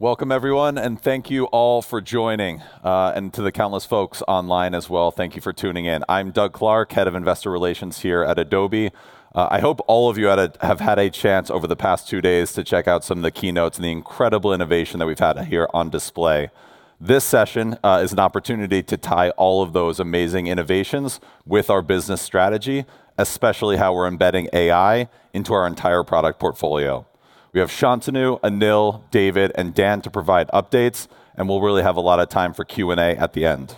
Welcome everyone, and thank you all for joining. To the countless folks online as well, thank you for tuning in. I'm Doug Clark, Head of Investor Relations here at Adobe. I hope all of you have had a chance over the past two days to check out some of the keynotes and the incredible innovation that we've had here on display. This session is an opportunity to tie all of those amazing innovations with our business strategy, especially how we're embedding AI into our entire product portfolio. We have Shantanu, Anil, David and Dan to provide updates, and we'll really have a lot of time for Q&A at the end.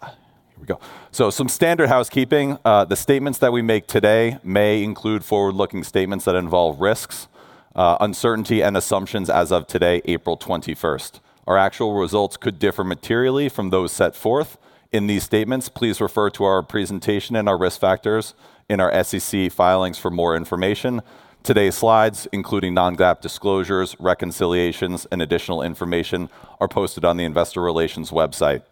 Here we go. Some standard housekeeping. The statements that we make today may include forward-looking statements that involve risks, uncertainty and assumptions as of today, April 21st. Our actual results could differ materially from those set forth in these statements. Please refer to our presentation and our risk factors in our SEC filings for more information. Today's slides, including non-GAAP disclosures, reconciliations, and additional information, are posted on the investor relations website.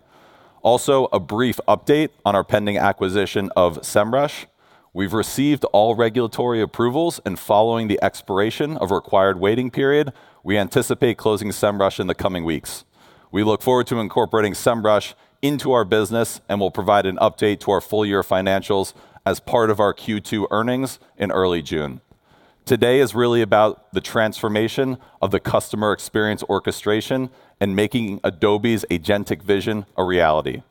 Also, a brief update on our pending acquisition of Semrush. We've received all regulatory approvals, and following the expiration of required waiting period, we anticipate closing Semrush in the coming weeks. We look forward to incorporating Semrush into our business and will provide an update to our full year financials as part of our Q2 earnings in early June. Today is really about the transformation of the customer experience orchestration, and making Adobe's agentic vision a reality.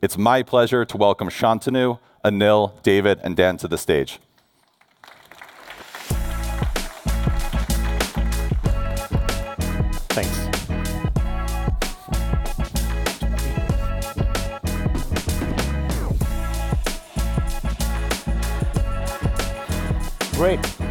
It's my pleasure to welcome Shantanu, Anil, David, and Dan to the stage. Thanks. Great.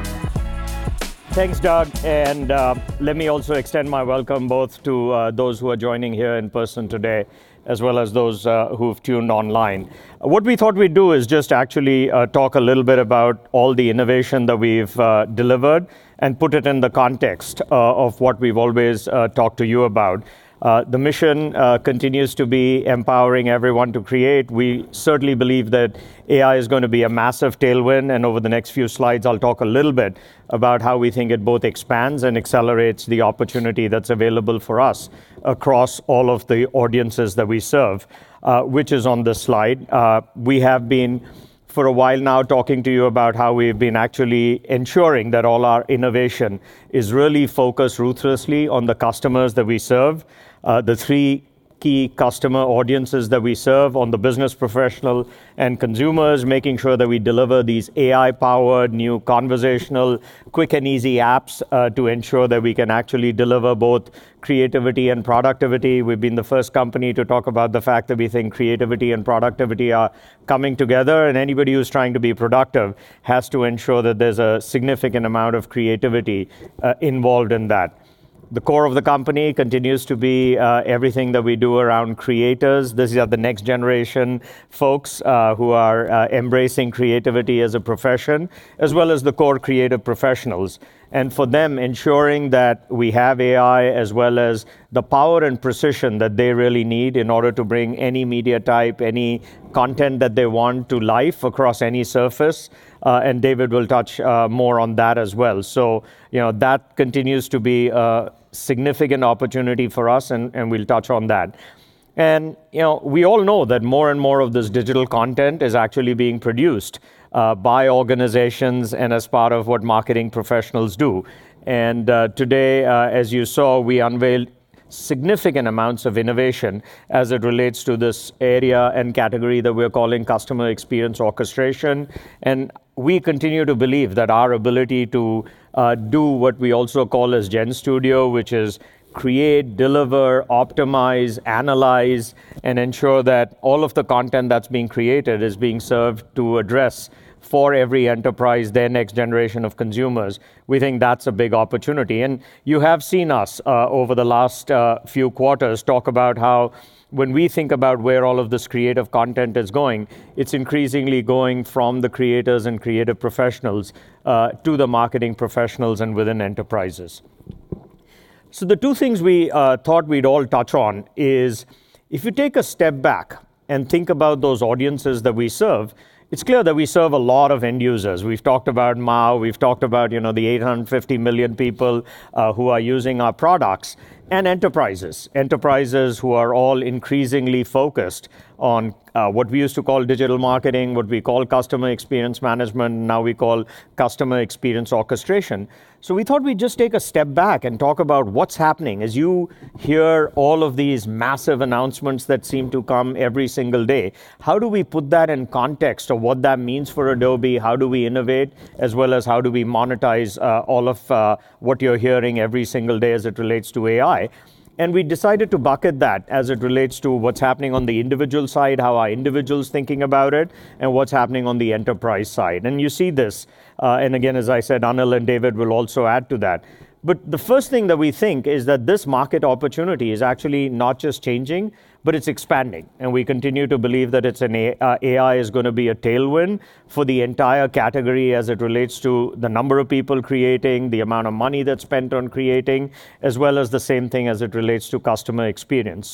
Thanks, Doug. Let me also extend my welcome both to those who are joining here in person today, as well as those who have tuned online. What we thought we'd do is just actually talk a little bit about all the innovation that we've delivered and put it in the context of what we've always talked to you about. The mission continues to be empowering everyone to create. We certainly believe that AI is going to be a massive tailwind, and over the next few slides, I'll talk a little bit about how we think it both expands and accelerates the opportunity that's available for us across all of the audiences that we serve, which is on this slide. We have been, for a while now, talking to you about how we have been actually ensuring that all our innovation is really focused ruthlessly on the customers that we serve. The three key customer audiences that we serve are the business, professional, and consumers, making sure that we deliver these AI-powered, new conversational, quick and easy apps to ensure that we can actually deliver both creativity and productivity. We've been the first company to talk about the fact that we think creativity and productivity are coming together, and anybody who's trying to be productive has to ensure that there's a significant amount of creativity involved in that. The core of the company continues to be everything that we do around creators. These are the next generation folks who are embracing creativity as a profession, as well as the core creative professionals. For them, ensuring that we have AI as well as the power and precision that they really need in order to bring any media type, any content that they want to life across any surface. David will touch more on that as well. That continues to be a significant opportunity for us, and we'll touch on that. We all know that more and more of this digital content is actually being produced by organizations and as part of what marketing professionals do. Today, as you saw, we unveiled significant amounts of innovation as it relates to this area and category that we're calling customer experience orchestration. We continue to believe that our ability to do what we also call as GenStudio, which is create, deliver, optimize, analyze, and ensure that all of the content that's being created is being served to address for every enterprise their next generation of consumers. We think that's a big opportunity. You have seen us over the last few quarters talk about how when we think about where all of this creative content is going, it's increasingly going from the creators and creative professionals to the marketing professionals and within enterprises. The two things we thought we'd all touch on is, if you take a step back and think about those audiences that we serve, it's clear that we serve a lot of end users. We've talked about MAU, we've talked about the 850 million people who are using our products, and enterprises. Enterprises who are all increasingly focused on what we used to call digital marketing, what we call customer experience management, now we call customer experience orchestration. We thought we'd just take a step back and talk about what's happening. As you hear all of these massive announcements that seem to come every single day, how do we put that in context of what that means for Adobe? How do we innovate, as well as how do we monetize all of what you're hearing every single day as it relates to AI? We decided to bucket that as it relates to what's happening on the individual side, how are individuals thinking about it, and what's happening on the enterprise side. You see this, and again, as I said, Anil and David will also add to that. The first thing that we think is that this market opportunity is actually not just changing, but it's expanding. We continue to believe that AI is going to be a tailwind for the entire category as it relates to the number of people creating, the amount of money that's spent on creating, as well as the same thing as it relates to customer experience.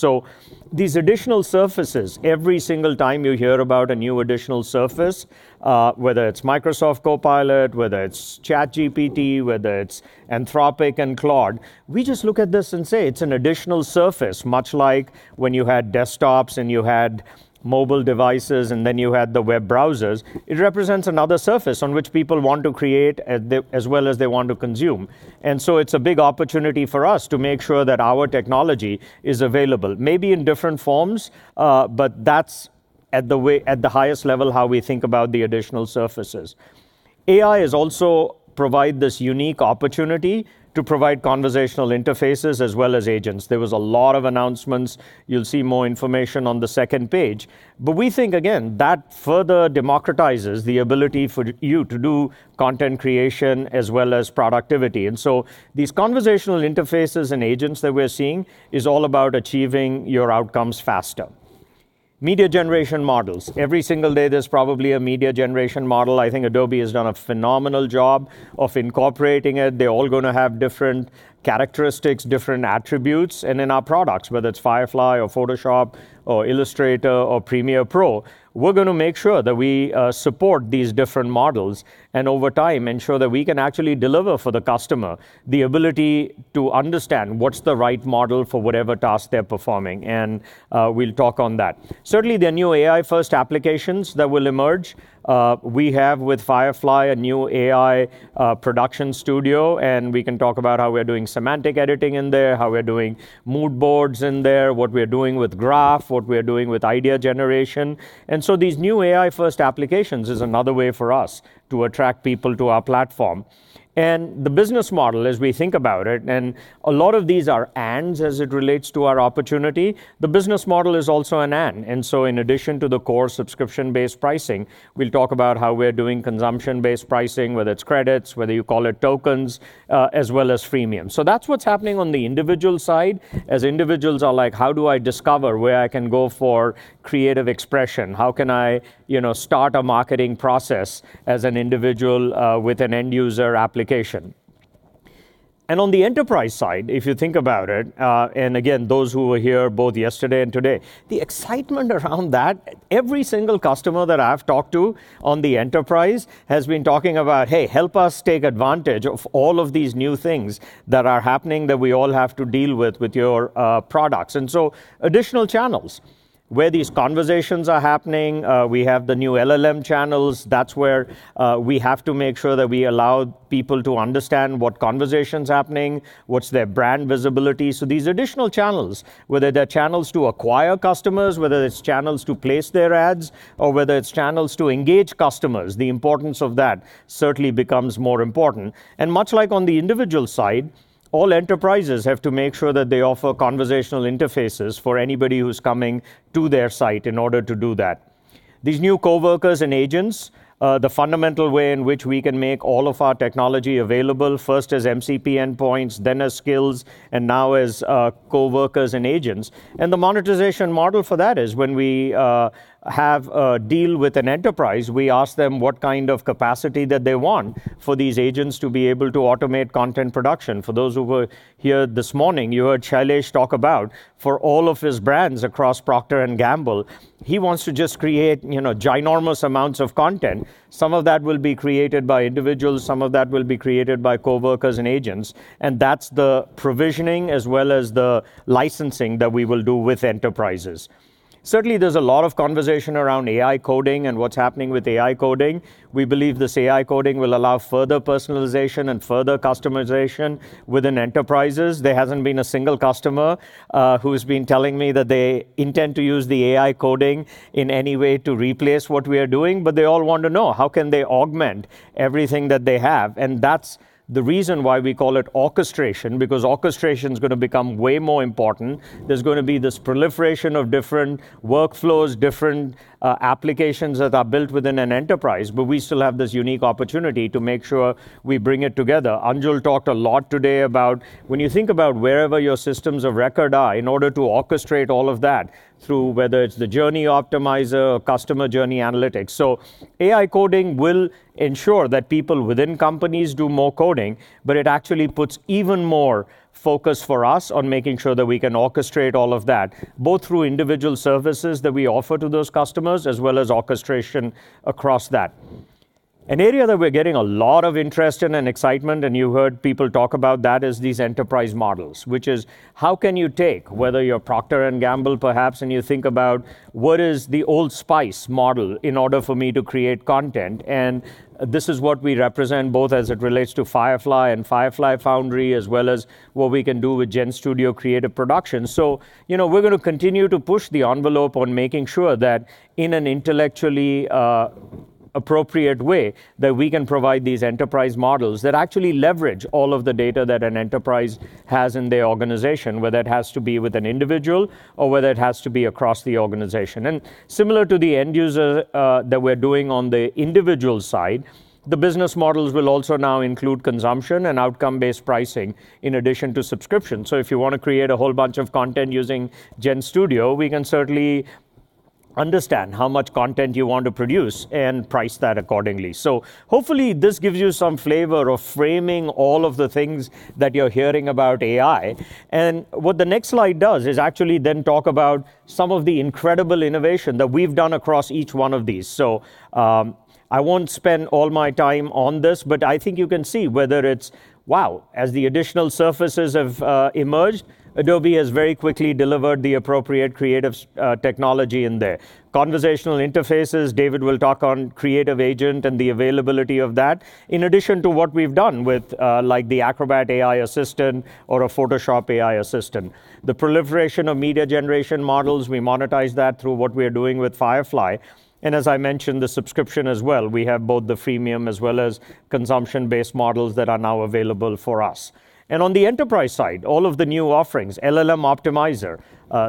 These additional surfaces, every single time you hear about a new additional surface, whether it's Microsoft Copilot, whether it's ChatGPT, whether it's Anthropic and Claude, we just look at this and say it's an additional surface, much like when you had desktops and you had mobile devices and then you had the web browsers. It represents another surface on which people want to create as well as they want to consume. It's a big opportunity for us to make sure that our technology is available, maybe in different forms, but that's at the highest level how we think about the additional surfaces. AI also provides this unique opportunity to provide conversational interfaces as well as agents. There was a lot of announcements. You'll see more information on the second page. We think, again, that further democratizes the ability for you to do content creation as well as productivity. These conversational interfaces and agents that we're seeing are all about achieving your outcomes faster. Media generation models. Every single day, there's probably a media generation model. I think Adobe has done a phenomenal job of incorporating it. They're all going to have different characteristics, different attributes. In our products, whether it's Firefly or Photoshop or Illustrator or Premiere Pro, we're going to make sure that we support these different models, and over time, ensure that we can actually deliver for the customer the ability to understand what's the right model for whatever task they're performing. We'll talk on that. Certainly, there are new AI-first applications that will emerge. We have with Firefly, a new AI production studio, and we can talk about how we're doing semantic editing in there, how we're doing mood boards in there, what we're doing with Graph, what we're doing with idea generation. These new AI-first applications is another way for us to attract people to our platform. The business model, as we think about it, and a lot of these are "ands" as it relates to our opportunity, the business model is also an "and." In addition to the core subscription-based pricing, we'll talk about how we're doing consumption-based pricing, whether it's credits, whether you call it tokens, as well as freemium. That's what's happening on the individual side, as individuals are like, "How do I discover where I can go for creative expression? How can I start a marketing process as an individual with an end user application?" On the enterprise side, if you think about it, and again, those who were here both yesterday and today, the excitement around that, every single customer that I've talked to on the enterprise has been talking about, "Hey, help us take advantage of all of these new things that are happening that we all have to deal with with your products." Additional channels where these conversations are happening. We have the new LLM channels. That's where we have to make sure that we allow people to understand what conversation's happening, what's their brand visibility. These additional channels, whether they're channels to acquire customers, whether it's channels to place their ads, or whether it's channels to engage customers, the importance of that certainly becomes more important. Much like on the individual side, all enterprises have to make sure that they offer conversational interfaces for anybody who's coming to their site in order to do that. These new coworkers and agents, the fundamental way in which we can make all of our technology available, first as MCP endpoints, then as skills, and now as coworkers and agents. The monetization model for that is when we have a deal with an enterprise, we ask them what kind of capacity that they want for these agents to be able to automate content production. For those who were here this morning, you heard Shailesh talk about for all of his brands across Procter & Gamble, he wants to just create ginormous amounts of content. Some of that will be created by individuals, some of that will be created by coworkers and agents, and that's the provisioning as well as the licensing that we will do with enterprises. Certainly, there's a lot of conversation around AI coding and what's happening with AI coding. We believe this AI coding will allow further personalization and further customization within enterprises. There hasn't been a single customer who's been telling me that they intend to use the AI coding in any way to replace what we are doing, but they all want to know how can they augment everything that they have. That's the reason why we call it orchestration, because orchestration is going to become way more important. There's going to be this proliferation of different workflows, different applications that are built within an enterprise, but we still have this unique opportunity to make sure we bring it together. Anil talked a lot today about when you think about wherever your systems of record are, in order to orchestrate all of that through, whether it's the Journey Optimizer or Customer Journey Analytics. AI coding will ensure that people within companies do more coding, but it actually puts even more focus for us on making sure that we can orchestrate all of that, both through individual services that we offer to those customers, as well as orchestration across that. An area that we're getting a lot of interest in and excitement, and you heard people talk about that, is these enterprise models, which is how can you take, whether you're Procter & Gamble, perhaps, and you think about what is the Old Spice model in order for me to create content? This is what we represent both as it relates to Firefly and Firefly Foundry, as well as what we can do with GenStudio creative production. We're going to continue to push the envelope on making sure that in an intellectually appropriate way, that we can provide these enterprise models that actually leverage all of the data that an enterprise has in their organization, whether it has to be with an individual or whether it has to be across the organization. Similar to the end user that we're doing on the individual side, the business models will also now include consumption and outcome-based pricing in addition to subscription. If you want to create a whole bunch of content using GenStudio, we can certainly understand how much content you want to produce and price that accordingly. Hopefully, this gives you some flavor of framing all of the things that you're hearing about AI. What the next slide does is actually then talk about some of the incredible innovation that we've done across each one of these. I won't spend all my time on this, but I think you can see whether it's wow, as the additional surfaces have emerged, Adobe has very quickly delivered the appropriate creative technology in there. Conversational interfaces, David will talk on Creative Agent and the availability of that, in addition to what we've done with, like the Acrobat AI Assistant or a Photoshop AI Assistant. The proliferation of media generation models, we monetize that through what we are doing with Firefly, and as I mentioned, the subscription as well. We have both the freemium as well as consumption-based models that are now available for us. On the enterprise side, all of the new offerings, LLM Optimizer,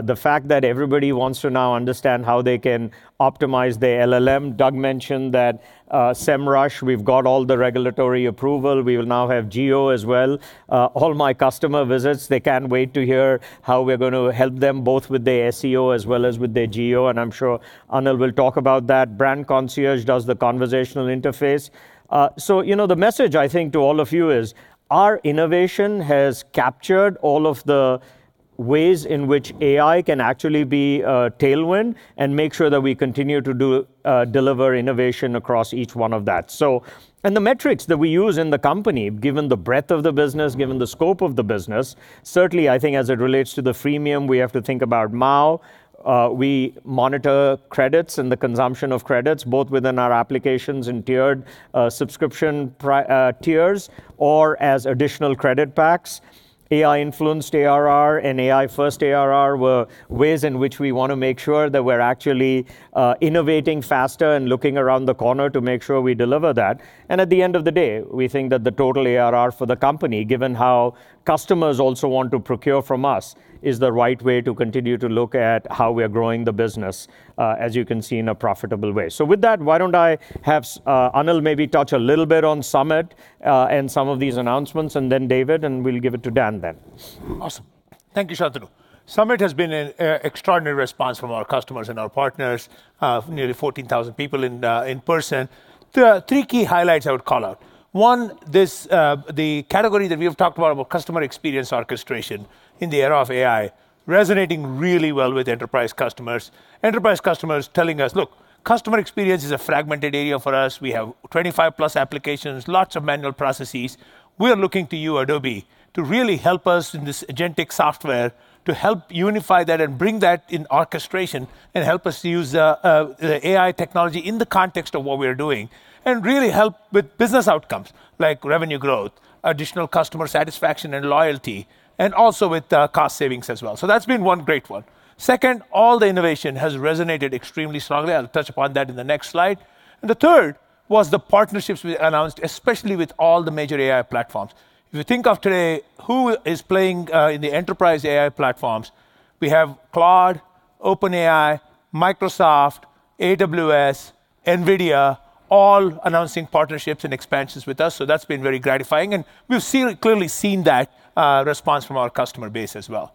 the fact that everybody wants to now understand how they can optimize their LLM. Doug mentioned that Semrush, we've got all the regulatory approval. We will now have GEO as well. All my customer visits, they can't wait to hear how we're going to help them both with their SEO as well as with their GEO. I'm sure Anil will talk about that. Brand Concierge does the conversational interface. The message I think to all of you is our innovation has captured all of the ways in which AI can actually be a tailwind and make sure that we continue to deliver innovation across each one of that. The metrics that we use in the company, given the breadth of the business, given the scope of the business, certainly I think as it relates to the freemium, we have to think about MAU. We monitor credits and the consumption of credits, both within our applications and tiered subscription tiers or as additional credit packs. AI influenced ARR and AI first ARR were ways in which we want to make sure that we're actually innovating faster and looking around the corner to make sure we deliver that. At the end of the day, we think that the total ARR for the company, given how customers also want to procure from us, is the right way to continue to look at how we are growing the business, as you can see, in a profitable way. With that, why don't I have Anil maybe touch a little bit on summit, and some of these announcements, and then David, and we'll give it to Dan then. Awesome. Thank you, Shantanu. Summit has been an extraordinary response from our customers and our partners, nearly 14,000 people in person. There are three key highlights I would call out. One, the category that we have talked about customer experience orchestration in the era of AI resonating really well with enterprise customers. Enterprise customers telling us, "Look, customer experience is a fragmented area for us. We have 25+ applications, lots of manual processes. We are looking to you, Adobe, to really help us in this agentic software to help unify that and bring that in orchestration and help us to use the AI technology in the context of what we are doing and really help with business outcomes like revenue growth, additional customer satisfaction and loyalty, and also with cost savings as well." That's been one great one. Second, all the innovation has resonated extremely strongly. I'll touch upon that in the next slide. The third was the partnerships we announced, especially with all the major AI platforms. If you think of today, who is playing in the enterprise AI platforms, we have Claude, OpenAI, Microsoft, AWS, NVIDIA, all announcing partnerships and expansions with us, so that's been very gratifying and we've clearly seen that response from our customer base as well.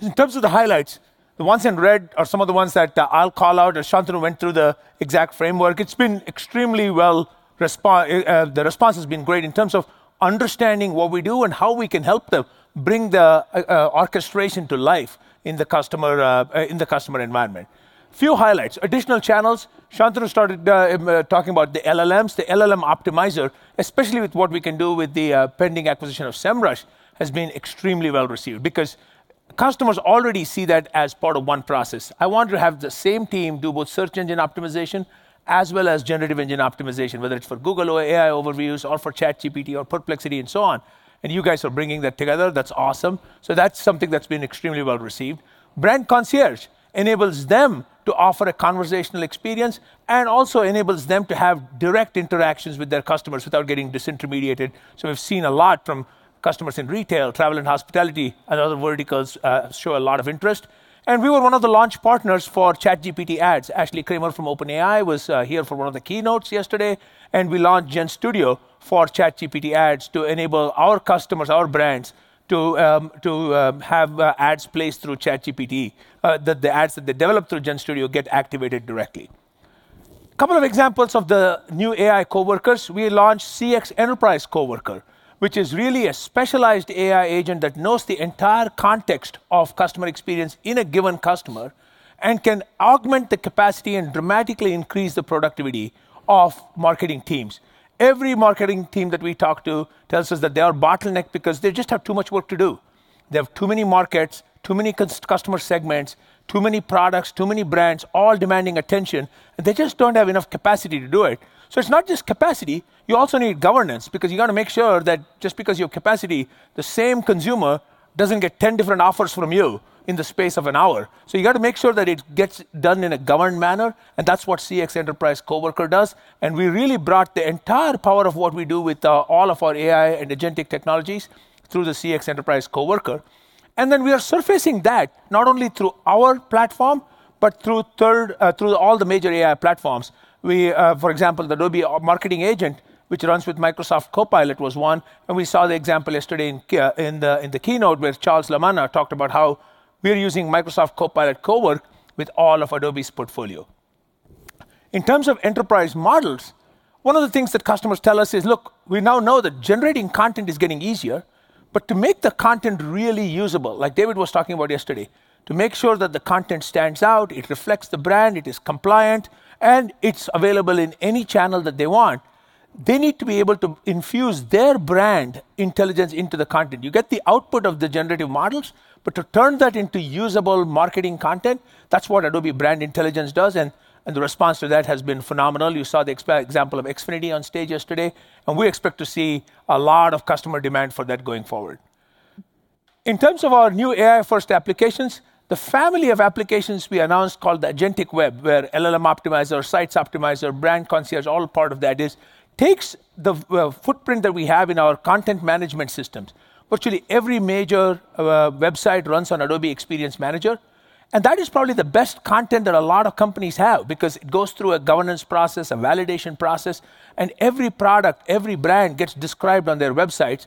In terms of the highlights, the ones in red are some of the ones that I'll call out as Shantanu went through the exact framework. The response has been great in terms of understanding what we do and how we can help them bring the orchestration to life in the customer environment. Few highlights, additional channels. Shantanu started talking about the LLMs. The LLM Optimizer, especially with what we can do with the pending acquisition of Semrush, has been extremely well received because customers already see that as part of one process. I want to have the same team do both search engine optimization as well as Generative Engine Optimization, whether it's for Google or AI overviews, or for ChatGPT or Perplexity and so on. You guys are bringing that together. That's awesome. That's something that's been extremely well received. Brand Concierge enables them to offer a conversational experience and also enables them to have direct interactions with their customers without getting disintermediated. We've seen a lot from customers in retail, travel, and hospitality, and other verticals show a lot of interest. We were one of the launch partners for ChatGPT Ads. Ashley Kramer from OpenAI was here for one of the keynotes yesterday, and we launched GenStudio for ChatGPT Ads to enable our customers, our brands, to have ads placed through ChatGPT. The ads that they develop through GenStudio get activated directly. A couple of examples of the new AI coworkers. We launched CX Enterprise Coworker, which is really a specialized AI agent that knows the entire context of customer experience in a given customer and can augment the capacity and dramatically increase the productivity of marketing teams. Every marketing team that we talk to tells us that they are bottlenecked because they just have too much work to do. They have too many markets, too many customer segments, too many products, too many brands, all demanding attention, and they just don't have enough capacity to do it. It's not just capacity. You also need governance because you got to make sure that just because you have capacity, the same consumer doesn't get 10 different offers from you in the space of an hour. You got to make sure that it gets done in a governed manner, and that's what CX Enterprise Coworker does. We really brought the entire power of what we do with all of our AI and agentic technologies through the CX Enterprise Coworker. We are surfacing that not only through our platform, but through all the major AI platforms. For example, the Adobe Marketing Agent, which runs with Microsoft Copilot, was one, and we saw the example yesterday in the keynote where Charles Lamanna talked about how we are using Microsoft Copilot Coworker with all of Adobe's portfolio. In terms of enterprise models, one of the things that customers tell us is, "Look, we now know that generating content is getting easier," but to make the content really usable, like David was talking about yesterday, to make sure that the content stands out, it reflects the brand, it is compliant, and it's available in any channel that they want, they need to be able to infuse their brand intelligence into the content. You get the output of the generative models, but to turn that into usable marketing content, that's what Adobe Brand Intelligence does, and the response to that has been phenomenal. You saw the example of Xfinity on stage yesterday, and we expect to see a lot of customer demand for that going forward. In terms of our new AI-first applications, the family of applications we announced called the Agentic Web, where LLM Optimizer, Sites Optimizer, Brand Concierge, all part of that, it takes the footprint that we have in our content management systems. Virtually every major website runs on Adobe Experience Manager, and that is probably the best content that a lot of companies have because it goes through a governance process, a validation process, and every product, every brand gets described on their websites.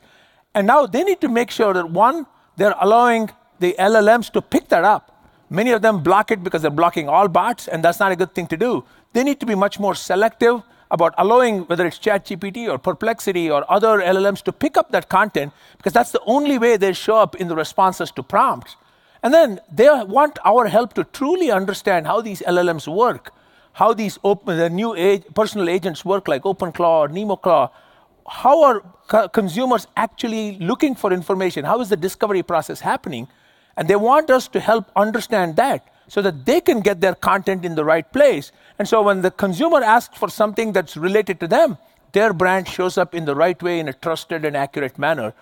Now they need to make sure that, one, they're allowing the LLMs to pick that up. Many of them block it because they're blocking all bots, and that's not a good thing to do. They need to be much more selective about allowing, whether it's ChatGPT or Perplexity or other LLMs to pick up that content, because that's the only way they show up in the responses to prompts. They want our help to truly understand how these LLMs work, how these new personal agents work, like OpenClaw or NemoClaw. How are consumers actually looking for information? How is the discovery process happening? They want us to help understand that so that they can get their content in the right place. When the consumer asks for something that's related to them, their brand shows up in the right way, in a trusted and accurate manner.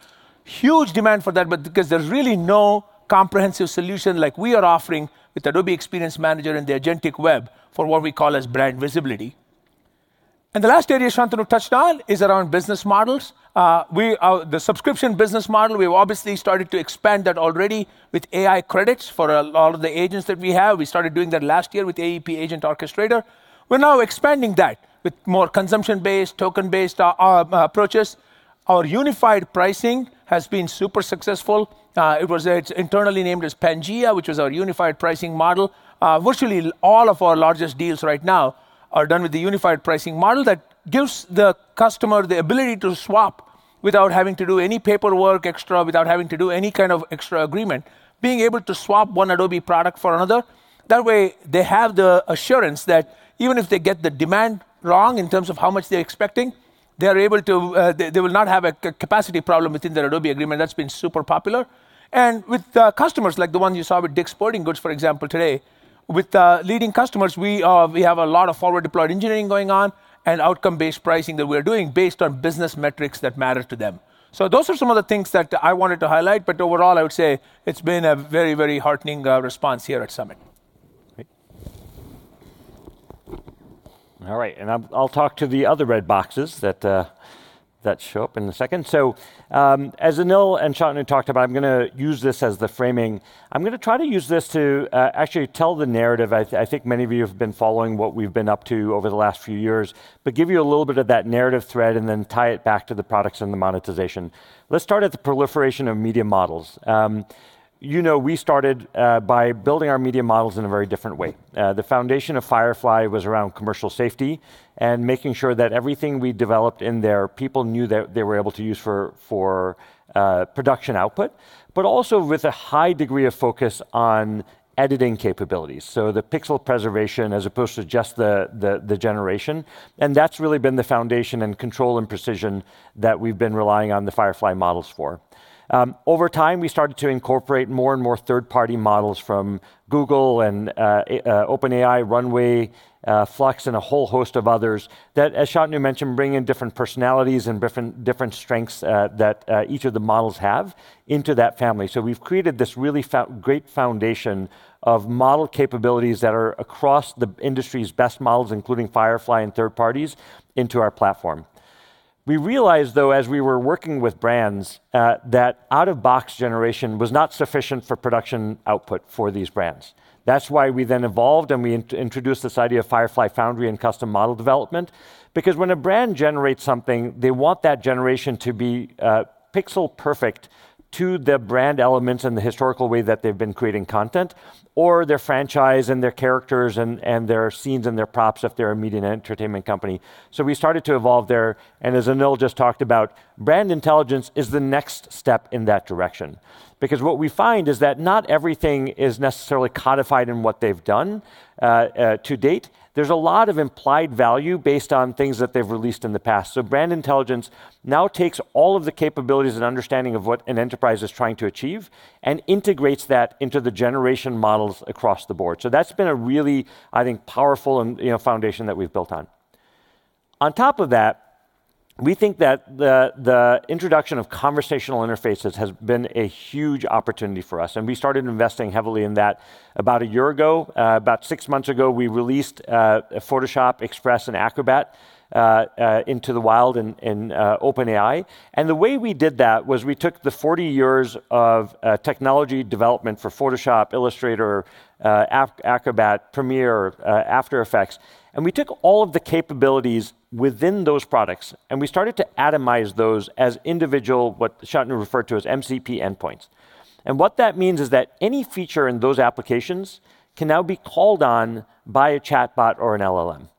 Huge demand for that, but because there's really no comprehensive solution like we are offering with Adobe Experience Manager and the Agentic Web for what we call as brand visibility. The last area Shantanu touched on is around business models. The subscription business model, we've obviously started to expand that already with AI credits for a lot of the agents that we have. We started doing that last year with the AEP Agent Orchestrator. We're now expanding that with more consumption-based, token-based approaches. Our unified pricing has been super successful. It's internally named as Pangea, which is our unified pricing model. Virtually all of our largest deals right now are done with the unified pricing model that gives the customer the ability to swap without having to do any paperwork extra, without having to do any kind of extra agreement. Being able to swap one Adobe product for another, that way they have the assurance that even if they get the demand wrong in terms of how much they're expecting, they will not have a capacity problem within their Adobe agreement. That's been super popular. With customers like the one you saw with DICK'S Sporting Goods, for example, today, with leading customers, we have a lot of forward deployed engineering going on and outcome-based pricing that we're doing based on business metrics that matter to them. Those are some of the things that I wanted to highlight. Overall, I would say it's been a very, very heartening response here at summit. Great. All right. I'll talk to the other red boxes that show up in a second. As Anil and Shantanu talked about, I'm going to use this as the framing. I'm going to try to use this to actually tell the narrative. I think many of you have been following what we've been up to over the last few years, give you a little bit of that narrative thread and then tie it back to the products and the monetization. Let's start at the proliferation of media models. We started by building our media models in a very different way. The foundation of Firefly was around commercial safety and making sure that everything we developed in there, people knew they were able to use for production output, but also with a high degree of focus on editing capabilities. The pixel preservation as opposed to just the generation. That's really been the foundation and control and precision that we've been relying on the Firefly models for. Over time, we started to incorporate more and more third-party models from Google and OpenAI, Runway, Flux, and a whole host of others that, as Shantanu mentioned, bring in different personalities and different strengths that each of the models have into that family. We've created this really great foundation of model capabilities that are across the industry's best models, including Firefly and third parties, into our platform. We realized, though, as we were working with brands, that out-of-box generation was not sufficient for production output for these brands. That's why we then evolved, and we introduced this idea of Firefly Foundry and custom model development. Because when a brand generates something, they want that generation to be pixel perfect to the brand elements and the historical way that they've been creating content, or their franchise and their characters and their scenes and their props if they're a media and entertainment company. We started to evolve there, and as Anil just talked about, Brand Intelligence is the next step in that direction. Because what we find is that not everything is necessarily codified in what they've done to date. There's a lot of implied value based on things that they've released in the past. Brand Intelligence now takes all of the capabilities and understanding of what an enterprise is trying to achieve and integrates that into the generation models across the board. That's been a really, I think, powerful foundation that we've built on. On top of that, we think that the introduction of conversational interfaces has been a huge opportunity for us, and we started investing heavily in that about a year ago. About six months ago, we released Photoshop, Express, and Acrobat into the wild in OpenAI. The way we did that was we took the 40 years of technology development for Photoshop, Illustrator, Acrobat, Premiere, After Effects, and we took all of the capabilities within those products, and we started to atomize those as individual, what Shantanu referred to as MCP endpoints. What that means is that any feature in those applications can now be called on by a chatbot or an LLM.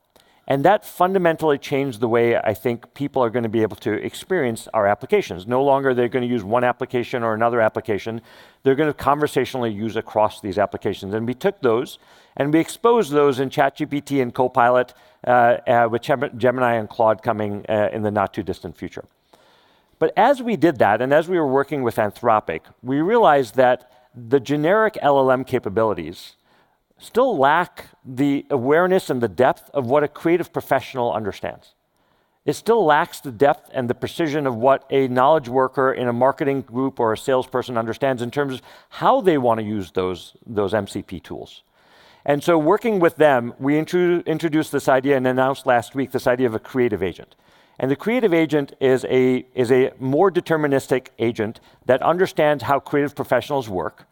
That fundamentally changed the way I think people are going to be able to experience our applications. No longer they're going to use one application or another application. They're going to conversationally use across these applications. We took those, and we exposed those in ChatGPT and Copilot, with Gemini and Claude coming in the not-too-distant future. As we did that, and as we were working with Anthropic, we realized that the generic LLM capabilities still lack the awareness and the depth of what a creative professional understands. It still lacks the depth and the precision of what a knowledge worker in a marketing group or a salesperson understands in terms of how they want to use those MCP tools. Working with them, we introduced this idea and announced last week this idea of a creative agent. The creative agent is a more deterministic agent that understands how creative professionals work.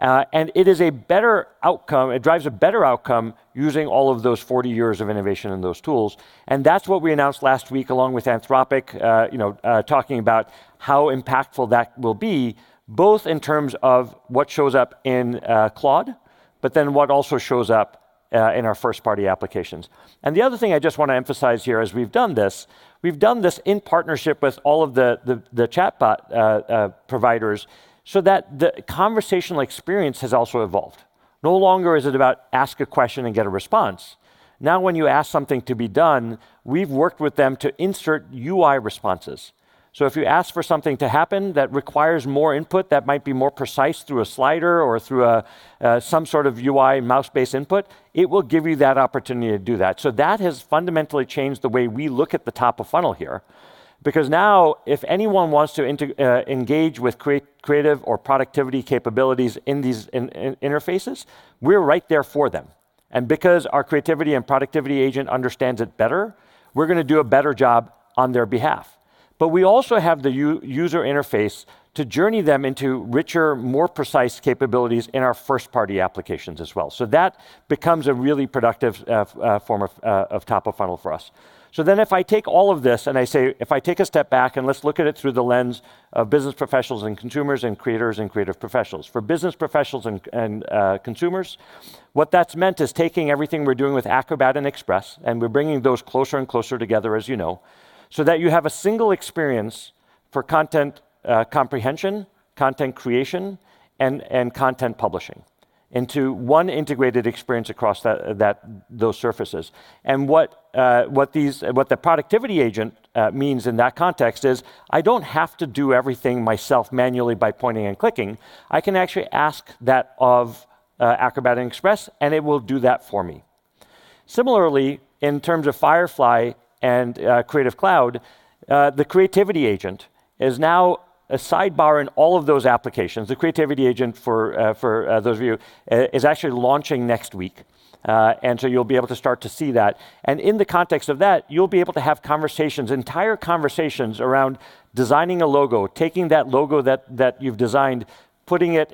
It is a better outcome, it drives a better outcome using all of those 40 years of innovation and those tools. That's what we announced last week along with Anthropic, talking about how impactful that will be, both in terms of what shows up in Claude. But then what also shows up in our first-party applications. The other thing I just want to emphasize here, as we've done this in partnership with all of the chatbot providers so that the conversational experience has also evolved. No longer is it about ask a question and get a response. Now, when you ask something to be done, we've worked with them to insert UI responses. If you ask for something to happen that requires more input, that might be more precise through a slider or through some sort of UI mouse-based input, it will give you that opportunity to do that. That has fundamentally changed the way we look at the top of funnel here, because now if anyone wants to engage with creative or productivity capabilities in these interfaces, we're right there for them. Because our creativity and productivity agent understands it better, we're going to do a better job on their behalf. We also have the user interface to journey them into richer, more precise capabilities in our first-party applications as well. That becomes a really productive form of top of funnel for us. If I take all of this and I say, if I take a step back and let's look at it through the lens of business professionals and consumers and creators and creative professionals. For business professionals and consumers, what that's meant is taking everything we're doing with Acrobat and Express, and we're bringing those closer and closer together, as you know, so that you have a single experience for content comprehension, content creation, and content publishing into one integrated experience across those surfaces. What the productivity agent means in that context is, I don't have to do everything myself manually by pointing and clicking. I can actually ask that of Acrobat and Express, and it will do that for me. Similarly, in terms of Firefly and Creative Cloud, the Creative Agent is now a sidebar in all of those applications. The Creative Agent for those of you is actually launching next week, and so you'll be able to start to see that. In the context of that, you'll be able to have conversations, entire conversations around designing a logo, taking that logo that you've designed, putting it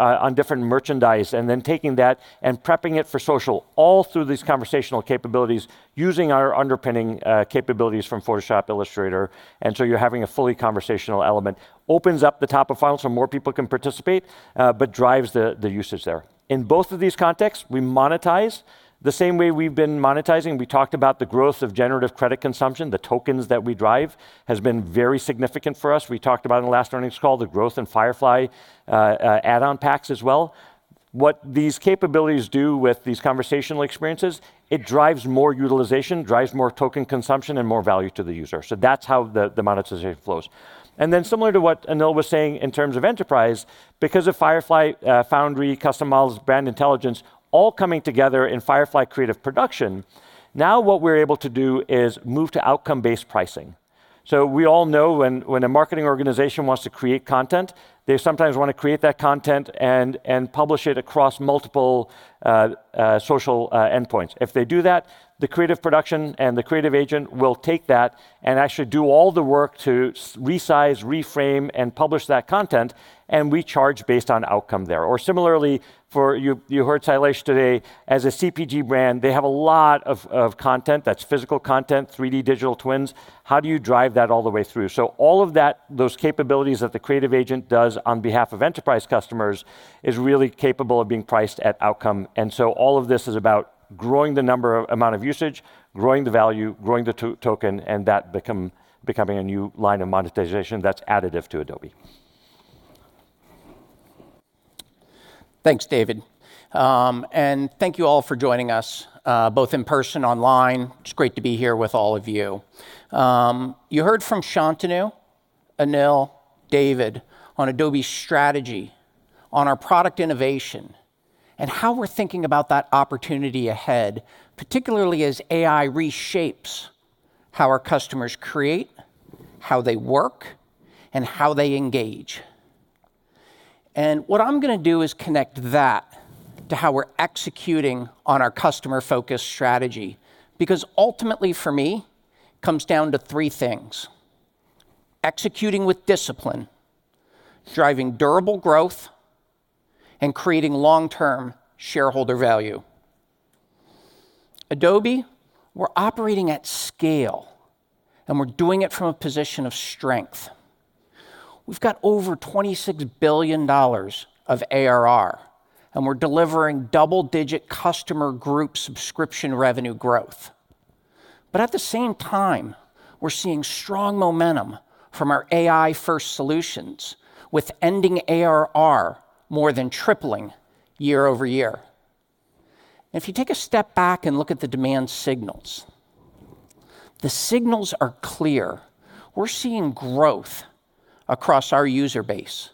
on different merchandise, and then taking that and prepping it for social, all through these conversational capabilities using our underpinning capabilities from Photoshop Illustrator. You're having a fully conversational element. Opens up the top of funnel so more people can participate, but drives the usage there. In both of these contexts, we monetize the same way we've been monetizing. We talked about the growth of generative credit consumption. The tokens that we drive has been very significant for us. We talked about in the last earnings call the growth in Firefly add-on packs as well. What these capabilities do with these conversational experiences, it drives more utilization, drives more token consumption, and more value to the user. That's how the monetization flows. Similar to what Anil was saying in terms of enterprise, because of Firefly Foundry, Custom Models, Brand Intelligence, all coming together in Firefly Creative Production, now what we're able to do is move to outcome-based pricing. We all know when a marketing organization wants to create content, they sometimes want to create that content and publish it across multiple social endpoints. If they do that, the creative production and the creative agent will take that and actually do all the work to resize, reframe, and publish that content, and we charge based on outcome there. Similarly, you heard Shailesh today, as a CPG brand, they have a lot of content that's physical content, 3D digital twins. How do you drive that all the way through? All of those capabilities that the creative agent does on behalf of enterprise customers is really capable of being priced at outcome. All of this is about growing the amount of usage, growing the value, growing the token, and that becoming a new line of monetization that's additive to Adobe. Thanks, David. Thank you all for joining us, both in person, online. It's great to be here with all of you. You heard from Shantanu, Anil, David on Adobe's strategy, on our product innovation, and how we're thinking about that opportunity ahead, particularly as AI reshapes how our customers create, how they work, and how they engage. What I'm going to do is connect that to how we're executing on our customer-focused strategy. Because ultimately, for me, it comes down to three things, executing with discipline, driving durable growth, and creating long-term shareholder value. Adobe, we're operating at scale and we're doing it from a position of strength. We've got over $26 billion of ARR, and we're delivering double-digit customer group subscription revenue growth. But at the same time, we're seeing strong momentum from our AI-first solutions, with ending ARR more than tripling year-over-year. If you take a step back and look at the demand signals, the signals are clear. We're seeing growth across our user base.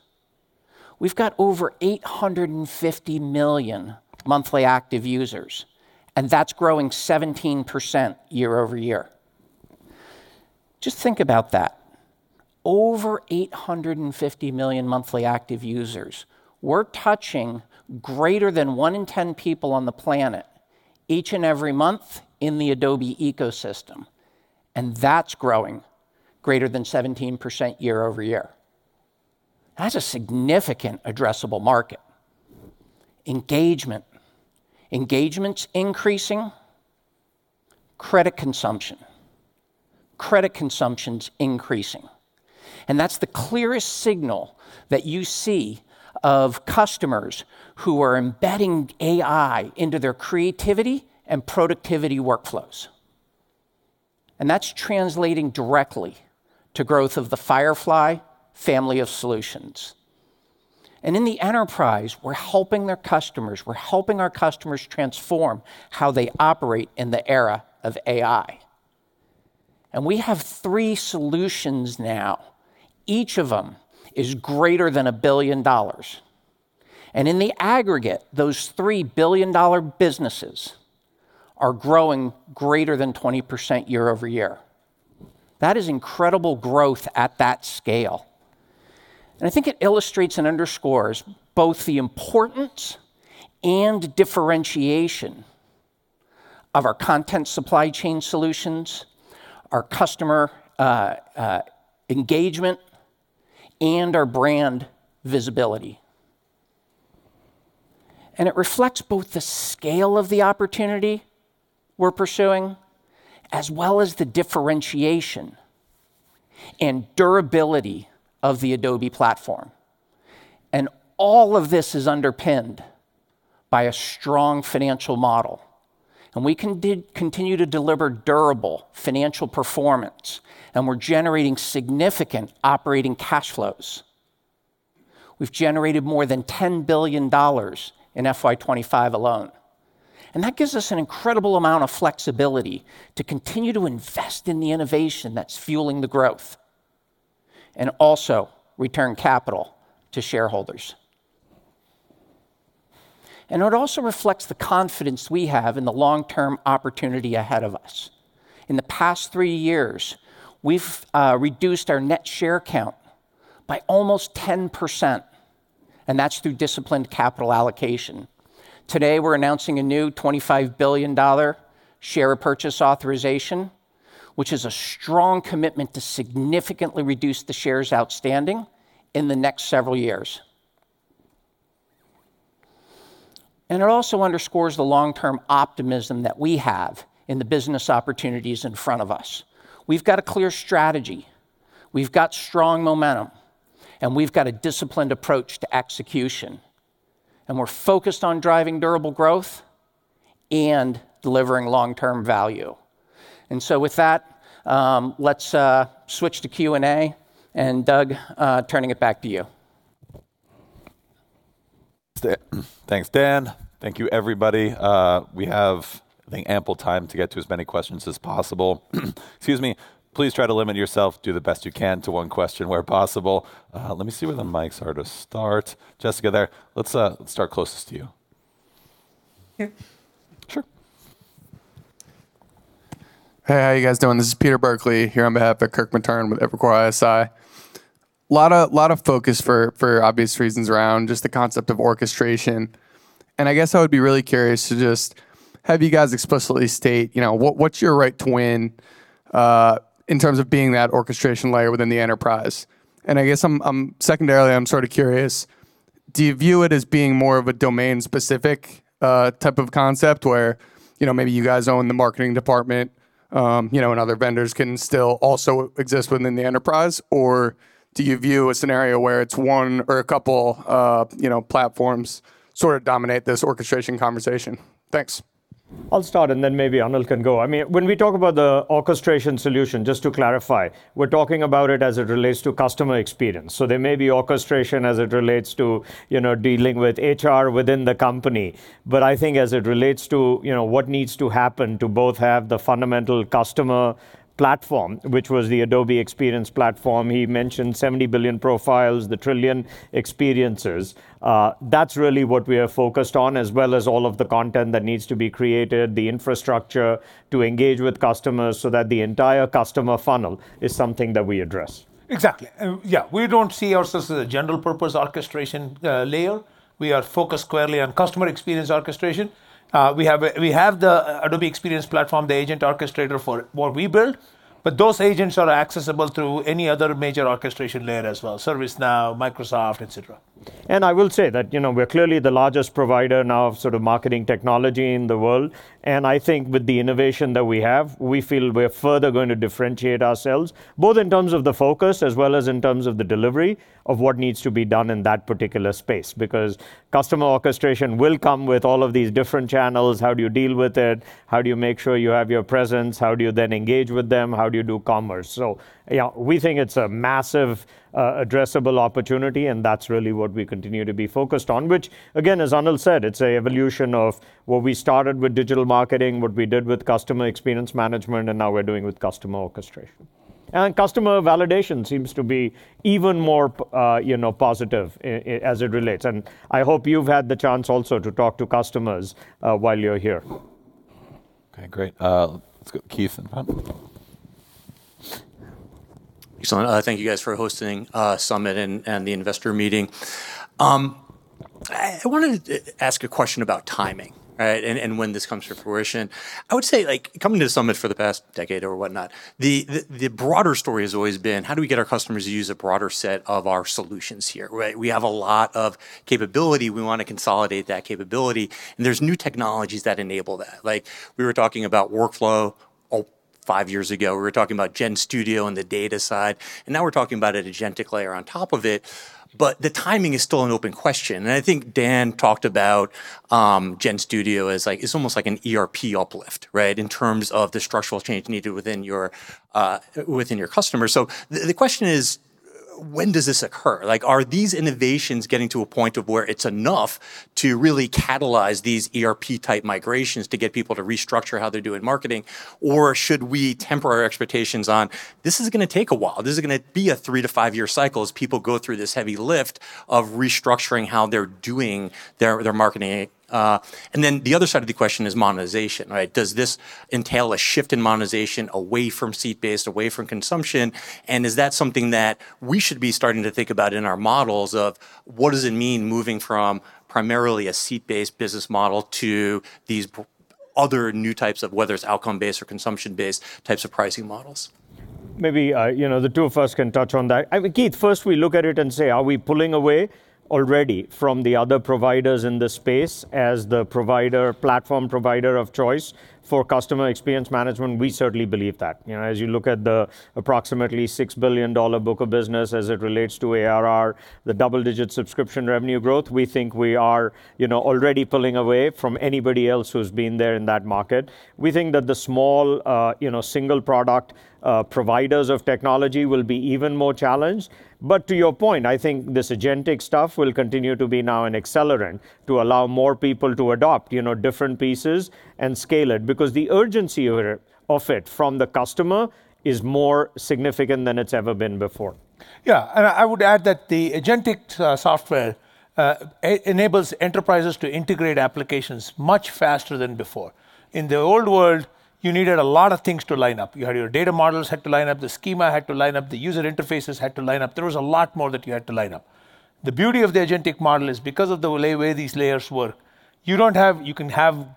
We've got over 850 million monthly active users, and that's growing 17% year-over-year. Just think about that. Over 850 million monthly active users. We're touching greater than one in 10 people on the planet each and every month in the Adobe ecosystem, and that's growing greater than 17% year-over-year. That's a significant addressable market. Engagement. Engagement's increasing. Credit consumption. Credit consumption's increasing, and that's the clearest signal that you see of customers who are embedding AI into their creativity and productivity workflows. That's translating directly to growth of the Firefly family of solutions. In the enterprise, we're helping their customers, we're helping our customers transform how they operate in the era of AI. We have three solutions now. Each of them is greater than $1 billion. In the aggregate, those three billion-dollar businesses are growing greater than 20% year-over-year. That is incredible growth at that scale. I think it illustrates and underscores both the importance and differentiation of our content supply chain solutions, our customer engagement, and our brand visibility. It reflects both the scale of the opportunity we're pursuing, as well as the differentiation and durability of the Adobe platform. All of this is underpinned by a strong financial model, and we continue to deliver durable financial performance, and we're generating significant operating cash flows. We've generated more than $10 billion in FY 2025 alone. That gives us an incredible amount of flexibility to continue to invest in the innovation that's fueling the growth, and also return capital to shareholders. It also reflects the confidence we have in the long-term opportunity ahead of us. In the past three years, we've reduced our net share count by almost 10%, and that's through disciplined capital allocation. Today, we're announcing a new $25 billion share purchase authorization, which is a strong commitment to significantly reduce the shares outstanding in the next several years. It also underscores the long-term optimism that we have in the business opportunities in front of us. We've got a clear strategy, we've got strong momentum, and we've got a disciplined approach to execution. We're focused on driving durable growth and delivering long-term value. With that, let's switch to Q&A, and Doug, turning it back to you. Thanks, Dan. Thank you, everybody. We have, I think, ample time to get to as many questions as possible. Excuse me. Please try to limit yourself, do the best you can, to one question where possible. Let me see where the mics are to start. Jessica, there. Let's start closest to you. Here? Sure. Hey, how you guys doing? This is Peter Burkly here on behalf of Kirk Materne with Evercore ISI. Lot of focus, for obvious reasons, around just the concept of orchestration, and I guess I would be really curious to just have you guys explicitly state what's your right thing, in terms of being that orchestration layer within the enterprise? I guess, secondarily, I'm sort of curious, do you view it as being more of a domain-specific type of concept where maybe you guys own the marketing department, and other vendors can still also exist within the enterprise? Or do you view a scenario where it's one or a couple platforms sort of dominate this orchestration conversation? Thanks. I'll start and then maybe Anil can go. When we talk about the orchestration solution, just to clarify, we're talking about it as it relates to customer experience. There may be orchestration as it relates to dealing with HR within the company, but I think as it relates to what needs to happen to both have the fundamental customer platform, which was the Adobe Experience Platform, he mentioned 70 billion profiles, the trillion experiences. That's really what we are focused on, as well as all of the content that needs to be created, the infrastructure to engage with customers so that the entire customer funnel is something that we address. Exactly. Yeah. We don't see ourselves as a general-purpose orchestration layer. We are focused squarely on customer experience orchestration. We have the Adobe Experience Platform, the agent orchestrator for what we build, but those agents are accessible through any other major orchestration layer as well, ServiceNow, Microsoft, et cetera. I will say that we're clearly the largest provider now of marketing technology in the world, and I think with the innovation that we have, we feel we're further going to differentiate ourselves, both in terms of the focus as well as in terms of the delivery of what needs to be done in that particular space. Because customer orchestration will come with all of these different channels. How do you deal with it? How do you make sure you have your presence? How do you then engage with them? How do you do commerce? Yeah, we think it's a massive addressable opportunity, and that's really what we continue to be focused on. Which, again, as Anil said, it's an evolution of what we started with digital marketing, what we did with customer experience management, and now we're doing with customer orchestration. Customer validation seems to be even more positive as it relates. I hope you've had the chance also to talk to customers while you're here. Okay, great. Let's go Keith in the front. Excellent. Thank you guys for hosting a summit and the investor meeting. I wanted to ask a question about timing, right, and when this comes to fruition. I would say coming to summit for the past decade or whatnot, the broader story has always been, how do we get our customers to use a broader set of our solutions here, right? We have a lot of capability. We want to consolidate that capability, and there's new technologies that enable that. Like we were talking about workflow. Five years ago, we were talking about GenStudio and the data side, and now we're talking about an agentic layer on top of it. The timing is still an open question. I think Dan talked about GenStudio as like, it's almost like an ERP uplift, right? In terms of the structural change needed within your customer. The question is, when does this occur? Are these innovations getting to a point of where it's enough to really catalyze these ERP-type migrations to get people to restructure how they're doing marketing? Or should we temper our expectations on, this is going to take a while. This is going to be a three to five-year cycle as people go through this heavy lift of restructuring how they're doing their marketing. Then the other side of the question is monetization, right? Does this entail a shift in monetization away from seat-based, away from consumption? Is that something that we should be starting to think about in our models of what does it mean moving from primarily a seat-based business model to these other new types of whether it's outcome-based or consumption-based types of pricing models? Maybe the two of us can touch on that. I mean, Keith, first we look at it and say, are we pulling away already from the other providers in this space as the platform provider of choice for customer experience management? We certainly believe that. As you look at the approximately $6 billion book of business as it relates to ARR, the double-digit subscription revenue growth, we think we are already pulling away from anybody else who's been there in that market. We think that the small, single product providers of technology will be even more challenged. To your point, I think this agentic stuff will continue to be now an accelerant to allow more people to adopt different pieces and scale it because the urgency of it from the customer is more significant than it's ever been before. Yeah. I would add that the agentic software enables enterprises to integrate applications much faster than before. In the old world, you needed a lot of things to line up. You had your data models had to line up, the schema had to line up, the user interfaces had to line up. There was a lot more that you had to line up. The beauty of the agentic model is because of the way these layers work, underneath the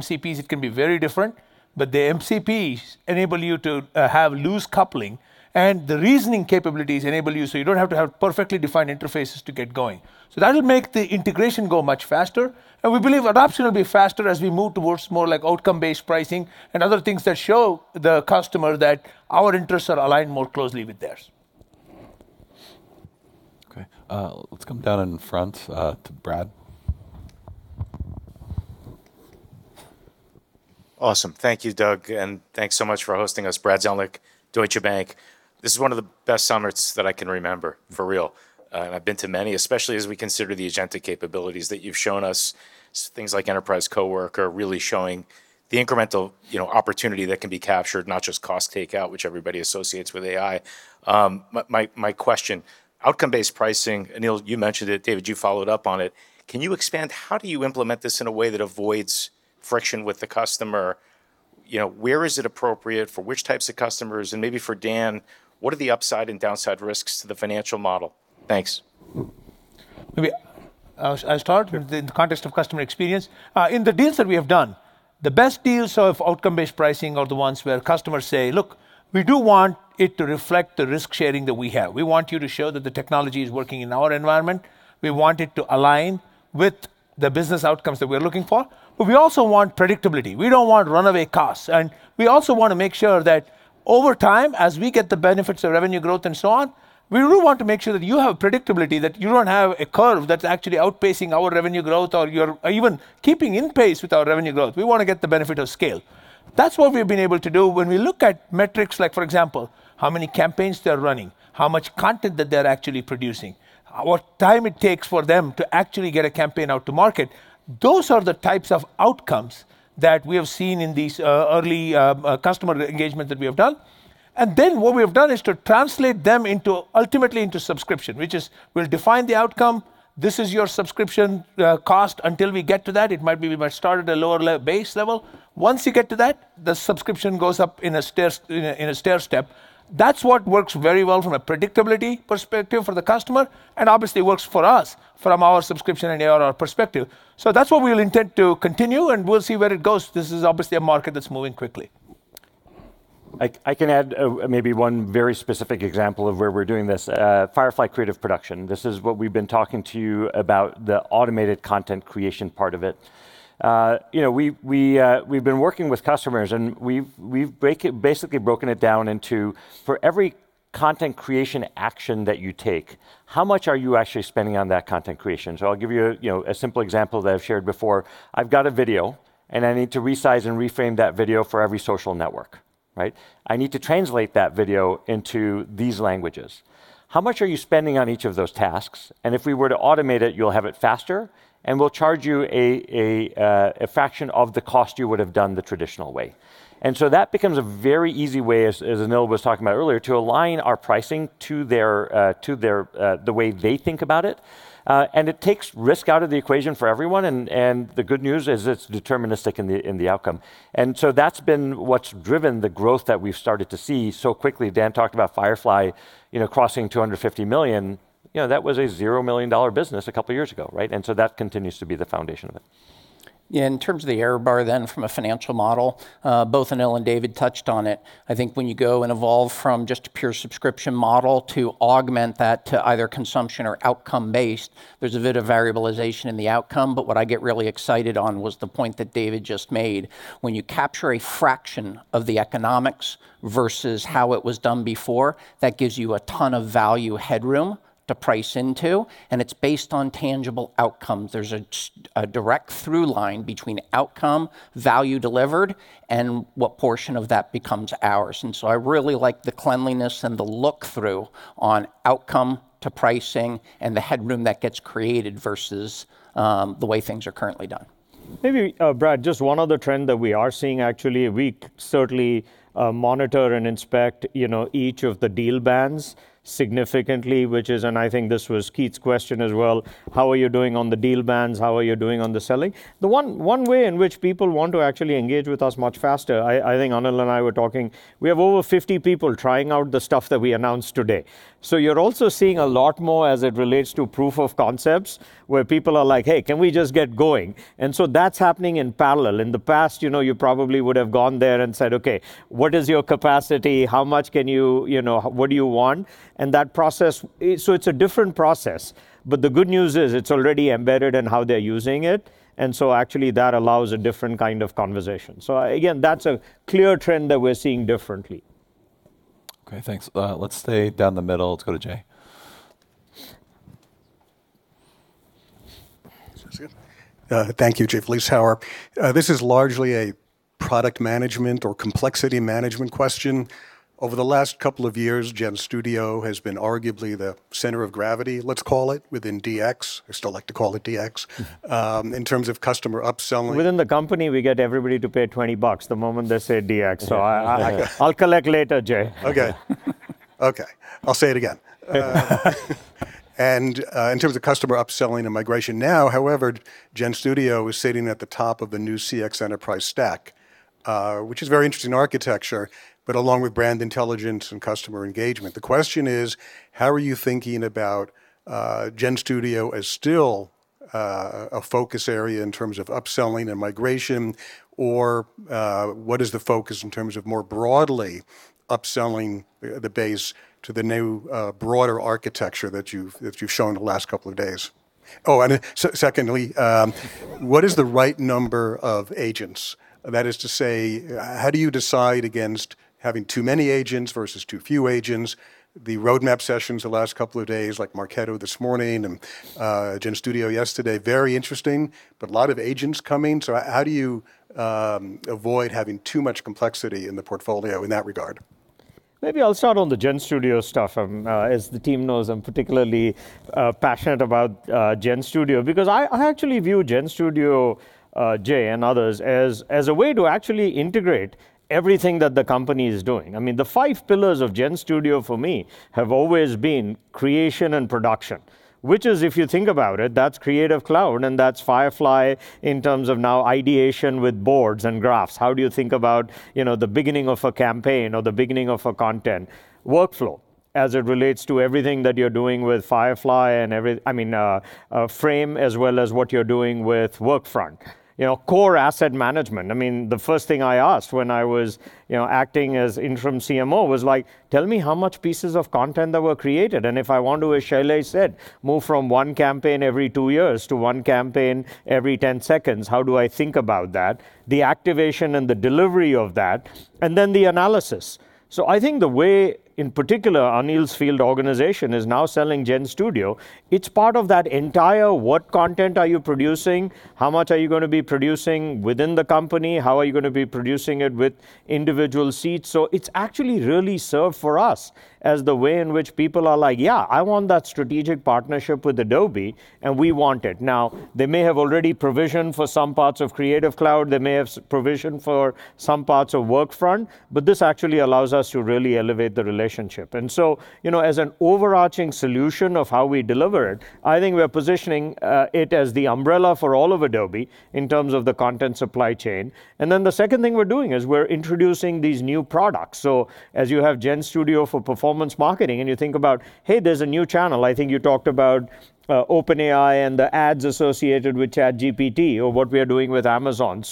MCPs, it can be very different, but the MCPs enable you to have loose coupling, and the reasoning capabilities enable you, so you don't have to have perfectly defined interfaces to get going. That'll make the integration go much faster. We believe adoption will be faster as we move towards more like outcome-based pricing and other things that show the customer that our interests are aligned more closely with theirs. Okay. Let's come down in front to Brad. Awesome. Thank you, Doug, and thanks so much for hosting us. Brad Zelnick, Deutsche Bank. This is one of the best summits that I can remember, for real. I've been to many, especially as we consider the agentic capabilities that you've shown us, things like Enterprise Coworker really showing the incremental opportunity that can be captured, not just cost takeout, which everybody associates with AI. My question, outcome-based pricing, Anil, you mentioned it, David, you followed up on it. Can you expand? How do you implement this in a way that avoids friction with the customer? Where is it appropriate? For which types of customers? Maybe for Dan, what are the upside and downside risks to the financial model? Thanks. I'll start in the context of customer experience. In the deals that we have done, the best deals of outcome-based pricing are the ones where customers say, "Look, we do want it to reflect the risk-sharing that we have. We want you to show that the technology is working in our environment. We want it to align with the business outcomes that we're looking for. But we also want predictability. We don't want runaway costs. And we also want to make sure that over time, as we get the benefits of revenue growth and so on, we really want to make sure that you have predictability, that you don't have a curve that's actually outpacing our revenue growth or even keeping in pace with our revenue growth. We want to get the benefit of scale." That's what we've been able to do when we look at metrics like, for example, how many campaigns they're running, how much content that they're actually producing, what time it takes for them to actually get a campaign out to market. Those are the types of outcomes that we have seen in these early customer engagements that we have done. Then what we have done is to translate them ultimately into subscription, which is we'll define the outcome. This is your subscription cost. Until we get to that, it might be we start at a lower base level. Once you get to that, the subscription goes up in a stairstep. That's what works very well from a predictability perspective for the customer, and obviously works for us from our subscription and ARR perspective. That's what we'll intend to continue, and we'll see where it goes. This is obviously a market that's moving quickly. I can add maybe one very specific example of where we're doing this. Firefly Creative Production. This is what we've been talking to you about, the automated content creation part of it. We've been working with customers, and we've basically broken it down into, for every content creation action that you take, how much are you actually spending on that content creation? I'll give you a simple example that I've shared before. I've got a video, and I need to resize and reframe that video for every social network, right? I need to translate that video into these languages. How much are you spending on each of those tasks? If we were to automate it, you'll have it faster, and we'll charge you a fraction of the cost you would have done the traditional way. That becomes a very easy way, as Anil was talking about earlier, to align our pricing to the way they think about it. It takes risk out of the equation for everyone, and the good news is it's deterministic in the outcome. That's been what's driven the growth that we've started to see so quickly. Dan talked about Firefly crossing $250 million. That was a $0 million business a couple of years ago, right? That continues to be the foundation of it. Yeah, in terms of the error bar then from a financial model, both Anil and David touched on it. I think when you go and evolve from just a pure subscription model to augment that to either consumption or outcome-based, there's a bit of variabilization in the outcome. What I get really excited on was the point that David just made. When you capture a fraction of the economics versus how it was done before, that gives you a ton of value headroom to price into, and it's based on tangible outcomes. There's a direct through line between outcome, value delivered, and what portion of that becomes ours. I really like the cleanliness and the look-through on outcome to pricing and the headroom that gets created versus the way things are currently done. Maybe, Brad, just one other trend that we are seeing actually. We certainly monitor and inspect each of the deal wins significantly, which is, and I think this was Keith's question as well, how are you doing on the deal wins? How are you doing on the selling? The one way in which people want to actually engage with us much faster. I think Anil and I were talking. We have over 50 people trying out the stuff that we announced today. You're also seeing a lot more as it relates to proof of concepts where people are like, "Hey, can we just get going?" That's happening in parallel. In the past, you probably would have gone there and said, "Okay, what is your capacity? How much can you, what do you want?" It's a different process. The good news is it's already embedded in how they're using it, and so actually that allows a different kind of conversation. Again, that's a clear trend that we're seeing differently. Okay, thanks. Let's stay down the middle. Let's go to Jay. Is this good? Thank you, Jay Vleeschhouwer. This is largely a product management or complexity management question. Over the last couple of years, GenStudio has been arguably the center of gravity, let's call it, within DX. I still like to call it DX, in terms of customer upselling. Within the company, we get everybody to pay $20 the moment they say DX. I'll collect later, Jay. Okay. I'll say it again. In terms of customer upselling and migration now, however, GenStudio is sitting at the top of the new CX enterprise stack, which is a very interesting architecture, but along with brand intelligence and customer engagement. The question is, how are you thinking about GenStudio as still a focus area in terms of upselling and migration, or what is the focus in terms of more broadly upselling the base to the new broader architecture that you've shown the last couple of days? Oh, secondly, what is the right number of agents? That is to say, how do you decide against having too many agents versus too few agents? The roadmap sessions the last couple of days, like Marketo this morning and GenStudio yesterday, very interesting, but a lot of agents coming. How do you avoid having too much complexity in the portfolio in that regard? Maybe I'll start on the GenStudio stuff. As the team knows, I'm particularly passionate about GenStudio because I actually view GenStudio, Jay and others, as a way to actually integrate everything that the company is doing. The five pillars of GenStudio for me have always been creation and production, which is, if you think about it, that's Creative Cloud and that's Firefly in terms of now ideation with boards and graphs. How do you think about the beginning of a campaign or the beginning of a content workflow, as it relates to everything that you're doing with Firefly and, I mean, Frame, as well as what you're doing with Workfront. Core asset management. The first thing I asked when I was acting as interim CMO was like, "Tell me how many pieces of content that were created, and if I want to," as Shirley said, "move from one campaign every two years to one campaign every 10 seconds, how do I think about that?" The activation and the delivery of that, and then the analysis. I think the way, in particular, Anil's field organization is now selling GenStudio, it's part of that entire, what content are you producing? How much are you going to be producing within the company? How are you going to be producing it with individual seats? It's actually really served for us as the way in which people are like, "Yeah, I want that strategic partnership with Adobe," and we want it. Now, they may have already provisioned for some parts of Creative Cloud. They may have provisioned for some parts of Workfront, but this actually allows us to really elevate the relationship. As an overarching solution of how we deliver it, I think we are positioning it as the umbrella for all of Adobe in terms of the content supply chain. The second thing we're doing is we're introducing these new products. As you have GenStudio for Performance Marketing, and you think about, "Hey, there's a new channel." I think you talked about OpenAI and the ads associated with ChatGPT or what we are doing with Amazon.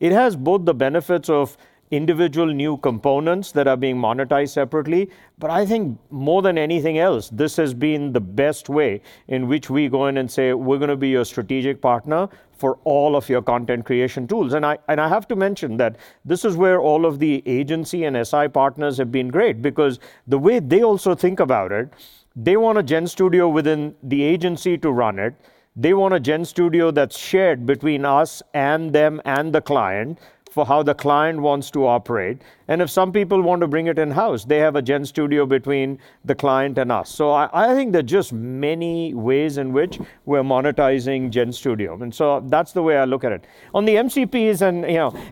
It has both the benefits of individual new components that are being monetized separately. I think more than anything else, this has been the best way in which we go in and say, "We're going to be your strategic partner for all of your content creation tools." I have to mention that this is where all of the agency and SI partners have been great because the way they also think about it, they want a GenStudio within the agency to run it. They want a GenStudio that's shared between us and them and the client for how the client wants to operate. If some people want to bring it in-house, they have a GenStudio between the client and us. I think there are just many ways in which we're monetizing GenStudio, and so that's the way I look at it. On the MCPs and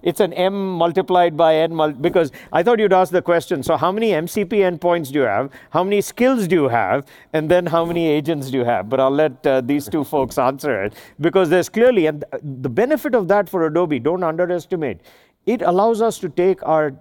it's an M multiplied by N. I thought you'd ask the question, so how many MCP endpoints do you have? How many skills do you have? Then how many agents do you have? I'll let these two folks answer it because there's clearly the benefit of that for Adobe. Don't underestimate it. It allows us to take our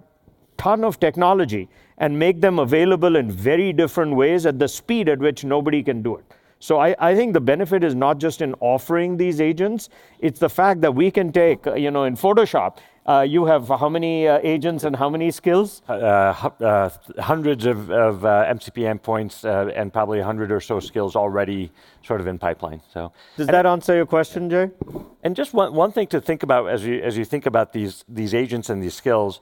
ton of technology and make them available in very different ways at the speed at which nobody can do it. I think the benefit is not just in offering these agents. It's the fact that we can take, in Photoshop, you have how many agents and how many skills? Hundreds of MCP endpoints and probably 100 or so skills already sort of in pipeline. Does that answer your question, Jay? Just one thing to think about as you think about these agents and these skills.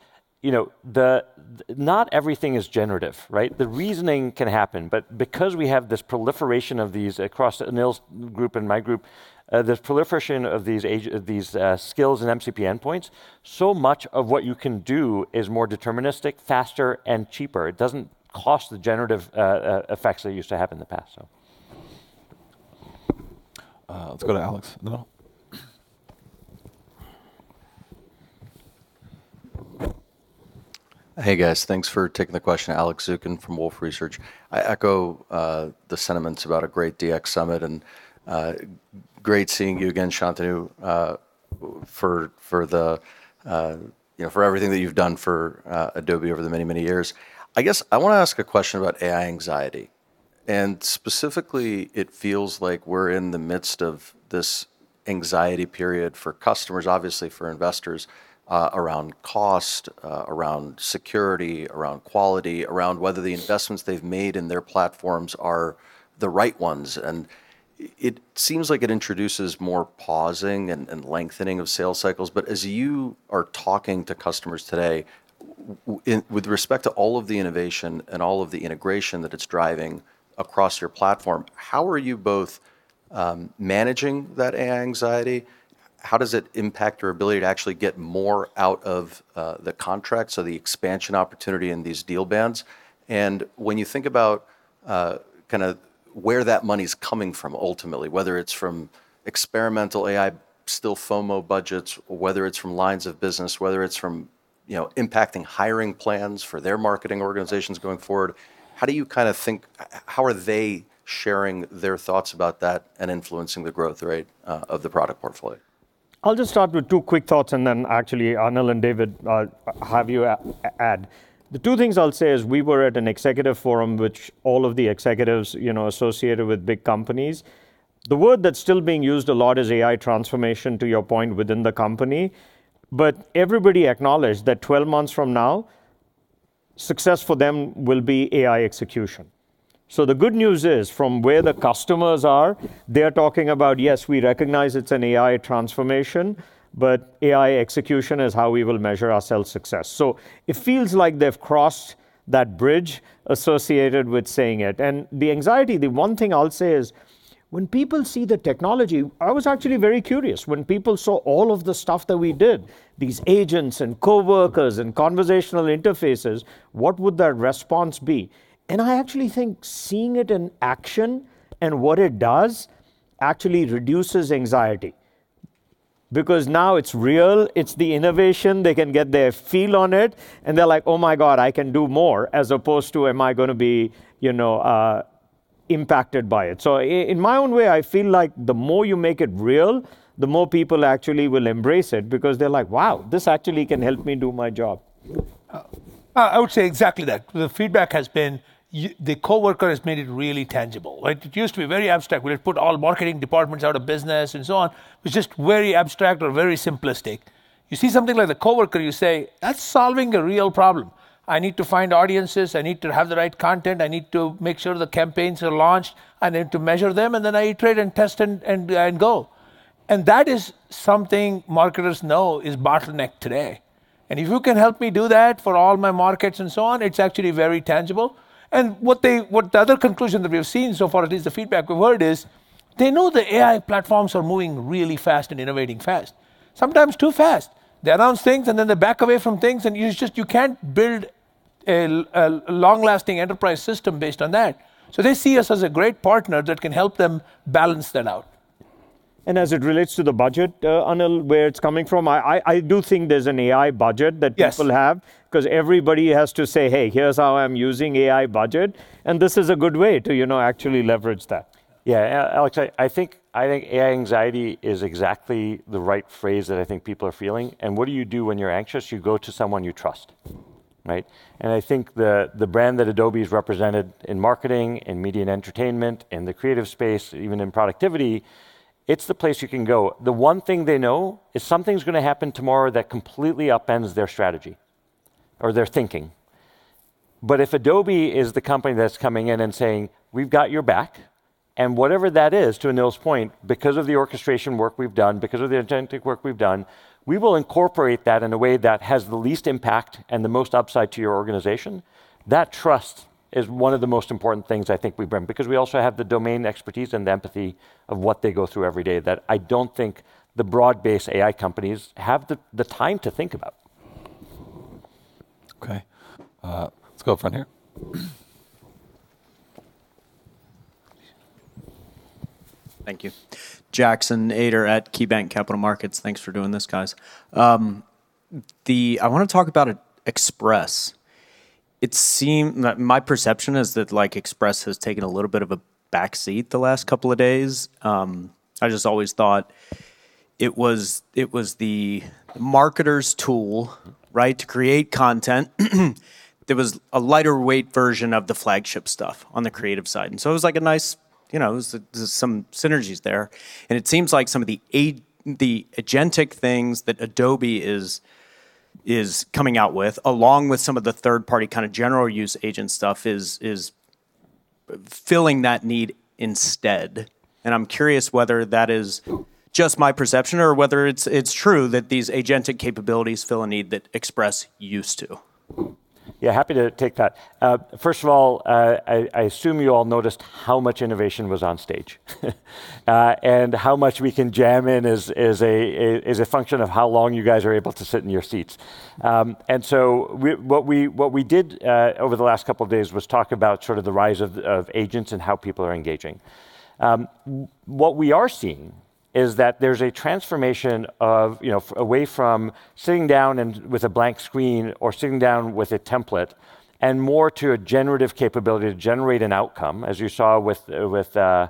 Not everything is generative, right? The reasoning can happen, but because we have this proliferation of these across Anil's group and my group, this proliferation of these skills and MCP endpoints, so much of what you can do is more deterministic, faster and cheaper. It doesn't cost the generative effects that it used to have in the past. Let's go to Alex. Hey, guys. Thanks for taking the question. Alex Zukin from Wolfe Research. I echo the sentiments about a great DX summit, and great seeing you again, Shantanu, for everything that you've done for Adobe over the many, many years. I guess I want to ask a question about AI anxiety. Specifically, it feels like we're in the midst of this anxiety period for customers, obviously for investors, around cost, around security, around quality, around whether the investments they've made in their platforms are the right ones. It seems like it introduces more pausing and lengthening of sales cycles. As you are talking to customers today, with respect to all of the innovation and all of the integration that it's driving across your platform, how are you both managing that AI anxiety? How does it impact your ability to actually get more out of the contracts or the expansion opportunity in these deal bans? When you think about where that money's coming from, ultimately, whether it's from experimental AI, still FOMO budgets, or whether it's from lines of business, whether it's from impacting hiring plans for their marketing organizations going forward, how are they sharing their thoughts about that and influencing the growth rate of the product portfolio? I'll just start with two quick thoughts and then actually, Anil and David, I'll have you add. The two things I'll say is we were at an executive forum, which all of the executives associated with big companies. The word that's still being used a lot is AI transformation, to your point, within the company. Everybody acknowledged that 12 months from now, success for them will be AI execution. The good news is, from where the customers are, they're talking about, "Yes, we recognize it's an AI transformation, but AI execution is how we will measure our self success." It feels like they've crossed that bridge associated with saying it. The anxiety, the one thing I'll say is, when people see the technology, I was actually very curious when people saw all of the stuff that we did, these agents and coworkers and conversational interfaces, what would their response be? I actually think seeing it in action and what it does actually reduces anxiety. Because now it's real, it's the innovation. They can get their feel on it, and they're like, "Oh my God, I can do more," as opposed to, "Am I going to be impacted by it?" In my own way, I feel like the more you make it real, the more people actually will embrace it because they're like, "Wow, this actually can help me do my job. I would say exactly that. The feedback has been that the Coworker has made it really tangible, right? It used to be very abstract. We would put all marketing departments out of business and so on. It was just very abstract or very simplistic. You see something like the Coworker, you say, "That's solving a real problem. I need to find audiences. I need to have the right content. I need to make sure the campaigns are launched. I need to measure them, and then I iterate and test and go." That is something marketers know is a bottleneck today. If you can help me do that for all my markets and so on, it's actually very tangible. The other conclusion that we have seen so far, at least the feedback we've heard is, they know the AI platforms are moving really fast and innovating fast. Sometimes too fast. They announce things, and then they back away from things, and you can't build a long-lasting enterprise system based on that. They see us as a great partner that can help them balance that out. As it relates to the budget, Anil, where it's coming from, I do think there's an AI budget that people have. Yes. Because everybody has to say, "Hey, here's how I'm using AI budget," and this is a good way to actually leverage that. Yeah. Alex, I think AI anxiety is exactly the right phrase that I think people are feeling, and what do you do when you're anxious? You go to someone you trust, right? I think the brand that Adobe has represented in marketing, in media and entertainment, in the creative space, even in productivity, it's the place you can go. The one thing they know is something's going to happen tomorrow that completely upends their strategy or their thinking. If Adobe is the company that's coming in and saying, "We've got your back," and whatever that is, to Anil's point, because of the orchestration work we've done, because of the agentic work we've done, we will incorporate that in a way that has the least impact and the most upside to your organization. That trust is one of the most important things I think we bring. We also have the domain expertise and the empathy of what they go through every day that I don't think the broad-based AI companies have the time to think about. Okay. Let's go from here. Thank you. Jackson Ader at KeyBanc Capital Markets. Thanks for doing this, guys. I want to talk about Express. My perception is that Express has taken a little bit of a backseat the last couple of days. I just always thought it was the marketer's tool, right, to create content. There was a lighter weight version of the flagship stuff on the creative side. It was like a nice, there's some synergies there. It seems like some of the agentic things that Adobe is coming out with, along with some of the third-party kind of general use agent stuff, is filling that need instead. I'm curious whether that is just my perception or whether it's true that these agentic capabilities fill a need that Express used to. Yeah, happy to take that. First of all, I assume you all noticed how much innovation was on stage. How much we can jam in is a function of how long you guys are able to sit in your seats. What we did over the last couple of days was talk about the rise of agents and how people are engaging. What we are seeing is that there's a transformation away from sitting down and with a blank screen or sitting down with a template and more to a generative capability to generate an outcome, as you saw with Firefly,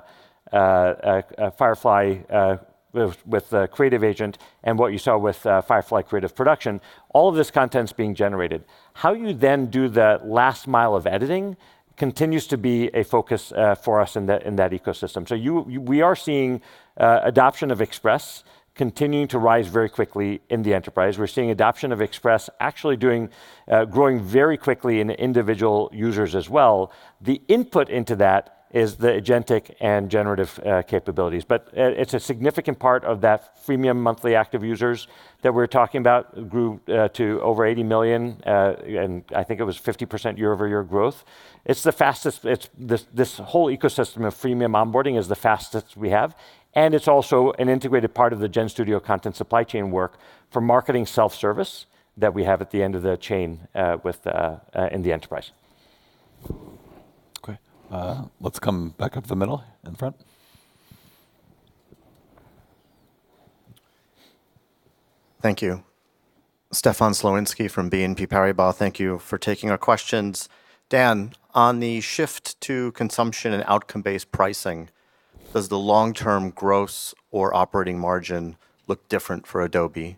with Creative Agent, and what you saw with Firefly Creative Production. All of this content's being generated. How you then do the last mile of editing continues to be a focus for us in that ecosystem. We are seeing adoption of Express continuing to rise very quickly in the enterprise. We're seeing adoption of Express actually growing very quickly in individual users as well. The input into that is the agentic and generative capabilities, but it's a significant part of that freemium monthly active users that we're talking about grew to over 80 million, and I think it was 50% year-over-year growth. This whole ecosystem of freemium onboarding is the fastest we have, and it's also an integrated part of the GenStudio content supply chain work for marketing self-service that we have at the end of the chain in the enterprise. Okay. Let's come back up the middle, in front. Thank you. Stefan Slowinski from BNP Paribas. Thank you for taking our questions. Dan, on the shift to consumption and outcome-based pricing, does the long-term gross or operating margin look different for Adobe?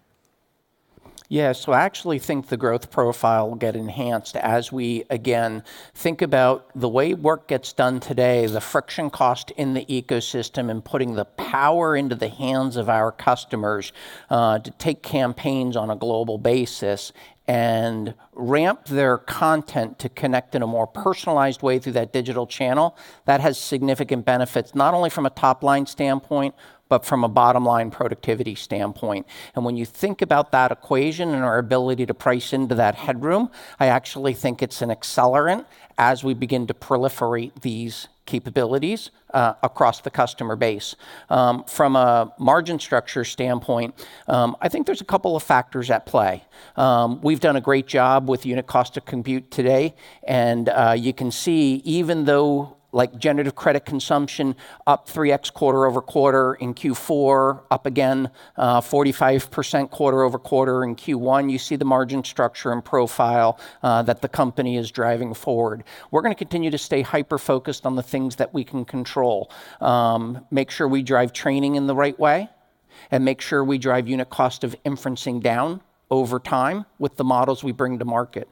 Yeah. I actually think the growth profile will get enhanced as we, again, think about the way work gets done today, the friction cost in the ecosystem, and putting the power into the hands of our customers, to take campaigns on a global basis and ramp their content to connect in a more personalized way through that digital channel. That has significant benefits, not only from a top-line standpoint, but from a bottom-line productivity standpoint. When you think about that equation and our ability to price into that headroom, I actually think it's an accelerant as we begin to proliferate these capabilities across the customer base. From a margin structure standpoint, I think there's a couple of factors at play. We've done a great job with unit cost of compute today, and you can see even though generative credit consumption up 3x quarter-over-quarter in Q4, up again 45% quarter-over-quarter in Q1, you see the margin structure and profile that the company is driving forward. We're going to continue to stay hyper-focused on the things that we can control, make sure we drive training in the right way, and make sure we drive unit cost of inferencing down over time with the models we bring to market.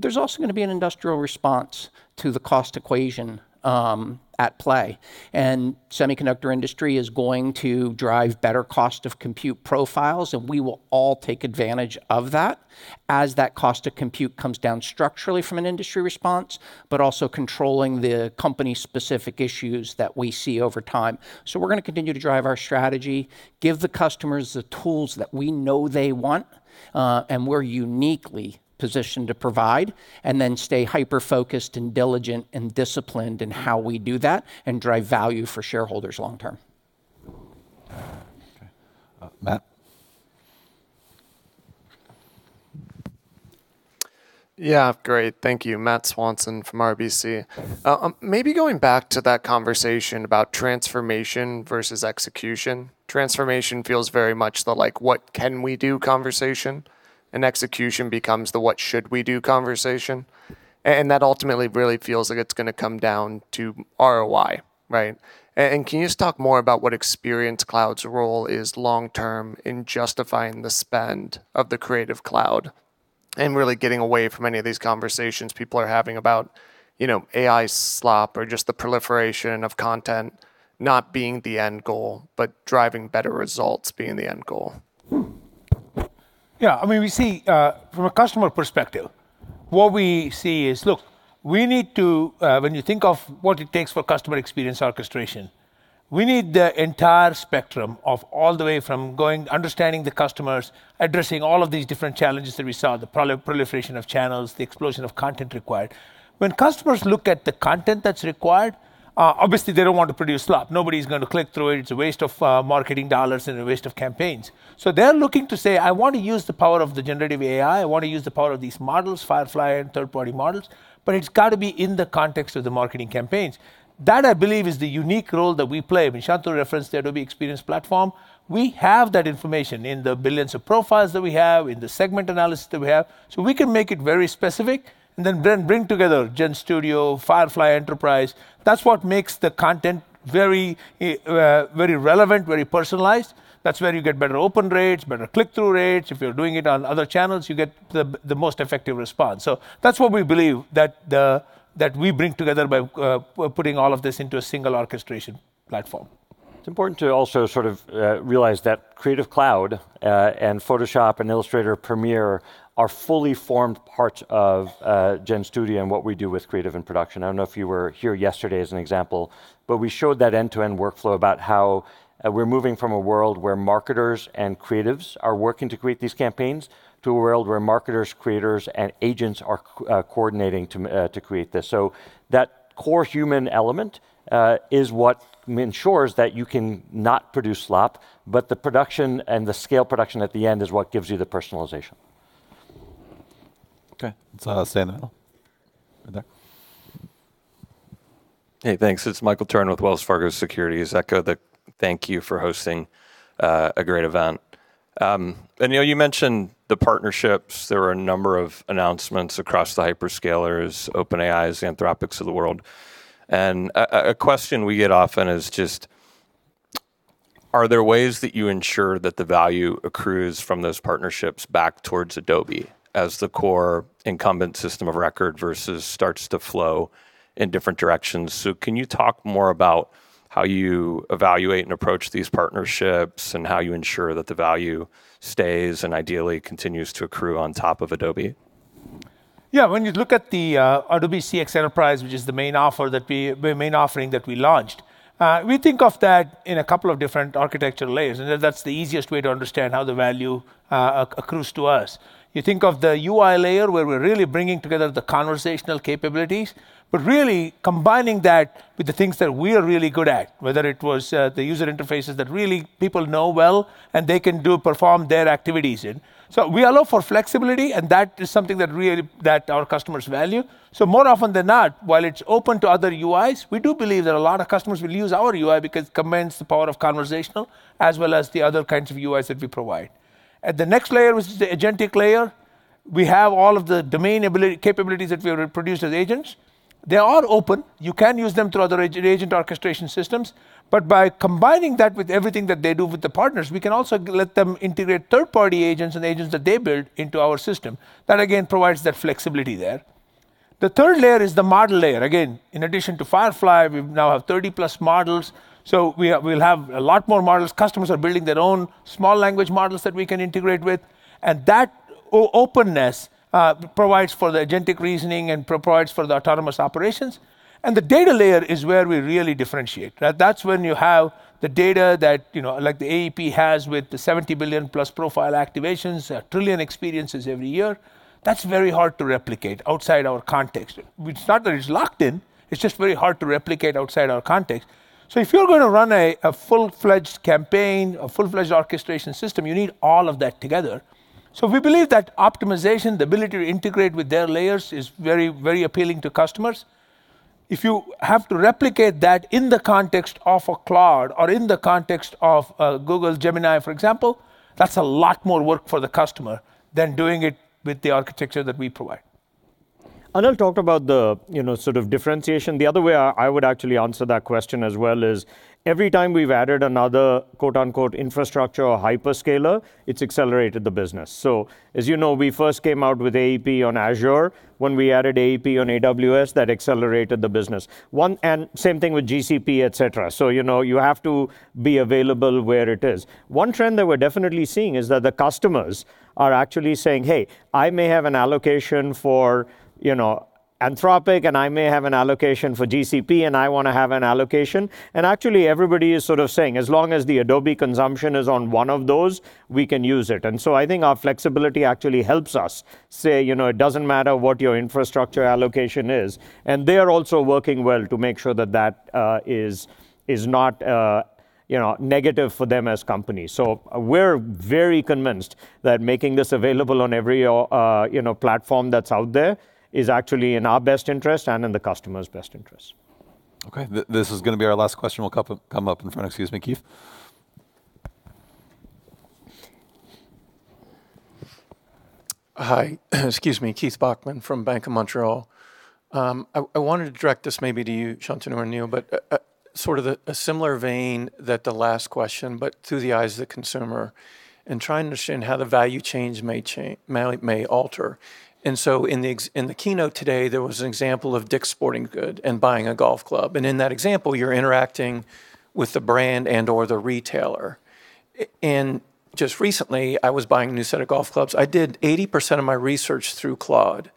There's also going to be an industrial response to the cost equation at play, and semiconductor industry is going to drive better cost of compute profiles, and we will all take advantage of that as that cost of compute comes down structurally from an industry response, but also controlling the company-specific issues that we see over time. We're going to continue to drive our strategy, give the customers the tools that we know they want, and we're uniquely positioned to provide, and then stay hyper-focused and diligent and disciplined in how we do that and drive value for shareholders long term. Okay. Matt. Yeah. Great. Thank you. Matt Swanson from RBC. Maybe going back to that conversation about transformation versus execution. Transformation feels very much like the "What can we do?" conversation, and execution becomes the "What should we do?" conversation, and that ultimately really feels like it's going to come down to ROI, right? Can you just talk more about what Experience Cloud's role is long term in justifying the spend of the Creative Cloud and really getting away from any of these conversations people are having about AI slop or just the proliferation of content not being the end goal, but driving better results being the end goal? Yeah. From a customer perspective, what we see is, look, when you think of what it takes for customer experience orchestration, we need the entire spectrum of all the way from understanding the customers, addressing all of these different challenges that we saw, the proliferation of channels, the explosion of content required. When customers look at the content that's required, obviously they don't want to produce slop. Nobody's going to click through it. It's a waste of marketing dollars and a waste of campaigns. So they're looking to say, "I want to use the power of the generative AI. I want to use the power of these models, Firefly and third-party models," but it's got to be in the context of the marketing campaigns. That, I believe, is the unique role that we play. When Shantanu referenced the Adobe Experience Platform, we have that information in the billions of profiles that we have, in the segment analysis that we have. We can make it very specific and then bring together GenStudio, Firefly Enterprise. That's what makes the content very relevant, very personalized. That's where you get better open rates, better click-through rates. If you're doing it on other channels, you get the most effective response. That's what we believe that we bring together by putting all of this into a single orchestration platform. It's important to also sort of realize that Creative Cloud, and Photoshop, and Illustrator, Premiere are fully formed parts of GenStudio and what we do with creative and production. I don't know if you were here yesterday as an example, but we showed that end-to-end workflow about how we're moving from a world where marketers and creatives are working to create these campaigns, to a world where marketers, creators, and agents are coordinating to create this. That core human element is what ensures that you can not produce slop, but the production and the scale production at the end is what gives you the personalization. Okay. Let's stay in the middle. Right there. Hey, thanks. It's Michael Turrin with Wells Fargo Securities. I echo the thank you for hosting a great event. Anil, you mentioned the partnerships. There were a number of announcements across the hyperscalers, OpenAI's, Anthropic's of the world. A question we get often is just, are there ways that you ensure that the value accrues from those partnerships back towards Adobe as the core incumbent system of record versus starts to flow in different directions? Can you talk more about how you evaluate and approach these partnerships, and how you ensure that the value stays and ideally continues to accrue on top of Adobe? Yeah. When you look at the Adobe CX Enterprise, which is the main offering that we launched, we think of that in a couple of different architectural layers, and that's the easiest way to understand how the value accrues to us. You think of the UI layer, where we're really bringing together the conversational capabilities, but really combining that with the things that we are really good at, whether it was the user interfaces that really people know well and they can perform their activities in. We allow for flexibility, and that is something that our customers value. More often than not, while it's open to other UIs, we do believe that a lot of customers will use our UI because it commands the power of conversational as well as the other kinds of UIs that we provide. At the next layer, which is the agentic layer, we have all of the domain capabilities that we produce as agents. They are open. You can use them through other agent orchestration systems. But by combining that with everything that they do with the partners, we can also let them integrate third-party agents and agents that they build into our system. That, again, provides that flexibility there. The third layer is the model layer. Again, in addition to Firefly, we now have 30+ models, so we'll have a lot more models. Customers are building their own small language models that we can integrate with. And that openness provides for the agentic reasoning and provides for the autonomous operations. The data layer is where we really differentiate. That's when you have the data that, like the AEP has with the 70 billion plus profile activations, 1 trillion experiences every year. That's very hard to replicate outside our context. It's not that it's locked in, it's just very hard to replicate outside our context. If you're going to run a full-fledged campaign, a full-fledged orchestration system, you need all of that together. We believe that optimization, the ability to integrate with their layers, is very appealing to customers. If you have to replicate that in the context of a cloud or in the context of Google Gemini, for example, that's a lot more work for the customer than doing it with the architecture that we provide. Anil talked about the sort of differentiation. The other way I would actually answer that question as well is, every time we've added another "infrastructure" or hyperscaler, it's accelerated the business. As you know, we first came out with AEP on Azure. When we added AEP on AWS, that accelerated the business. Same thing with GCP, et cetera. You have to be available where it is. One trend that we're definitely seeing is that the customers are actually saying, "Hey, I may have an allocation for Anthropic, and I may have an allocation for GCP, and I want to have an allocation." Actually everybody is sort of saying, as long as the Adobe consumption is on one of those, we can use it. I think our flexibility actually helps us say, "It doesn't matter what your infrastructure allocation is." They are also working well to make sure that that is not negative for them as companies. We're very convinced that making this available on every platform that's out there is actually in our best interest and in the customer's best interest. Okay. This is going to be our last question. We'll come up in front. Excuse me, Keith. Hi. Excuse me. Keith Bachman from Bank of Montreal. I wanted to direct this maybe to you, Shantanu or Anil, but sort of a similar vein that the last question, but through the eyes of the consumer and trying to understand how the value chains may alter. In the keynote today, there was an example of DICK'S Sporting Goods and buying a golf club. In that example, you're interacting with the brand and/or the retailer. Just recently, I was buying a new set of golf clubs. I did 80% of my research through Claude,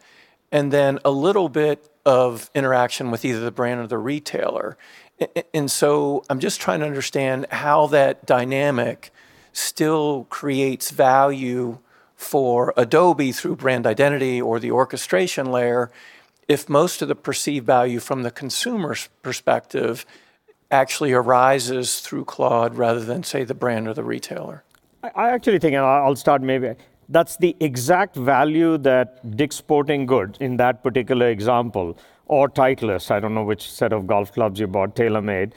and then a little bit of interaction with either the brand or the retailer. I'm just trying to understand how that dynamic still creates value for Adobe through brand identity or the orchestration layer if most of the perceived value from the consumer's perspective actually arises through Claude rather than, say, the brand or the retailer? I actually think, I'll start maybe. That's the exact value that DICK'S Sporting Goods, in that particular example, or Titleist, I don't know which set of golf clubs you bought, TaylorMade,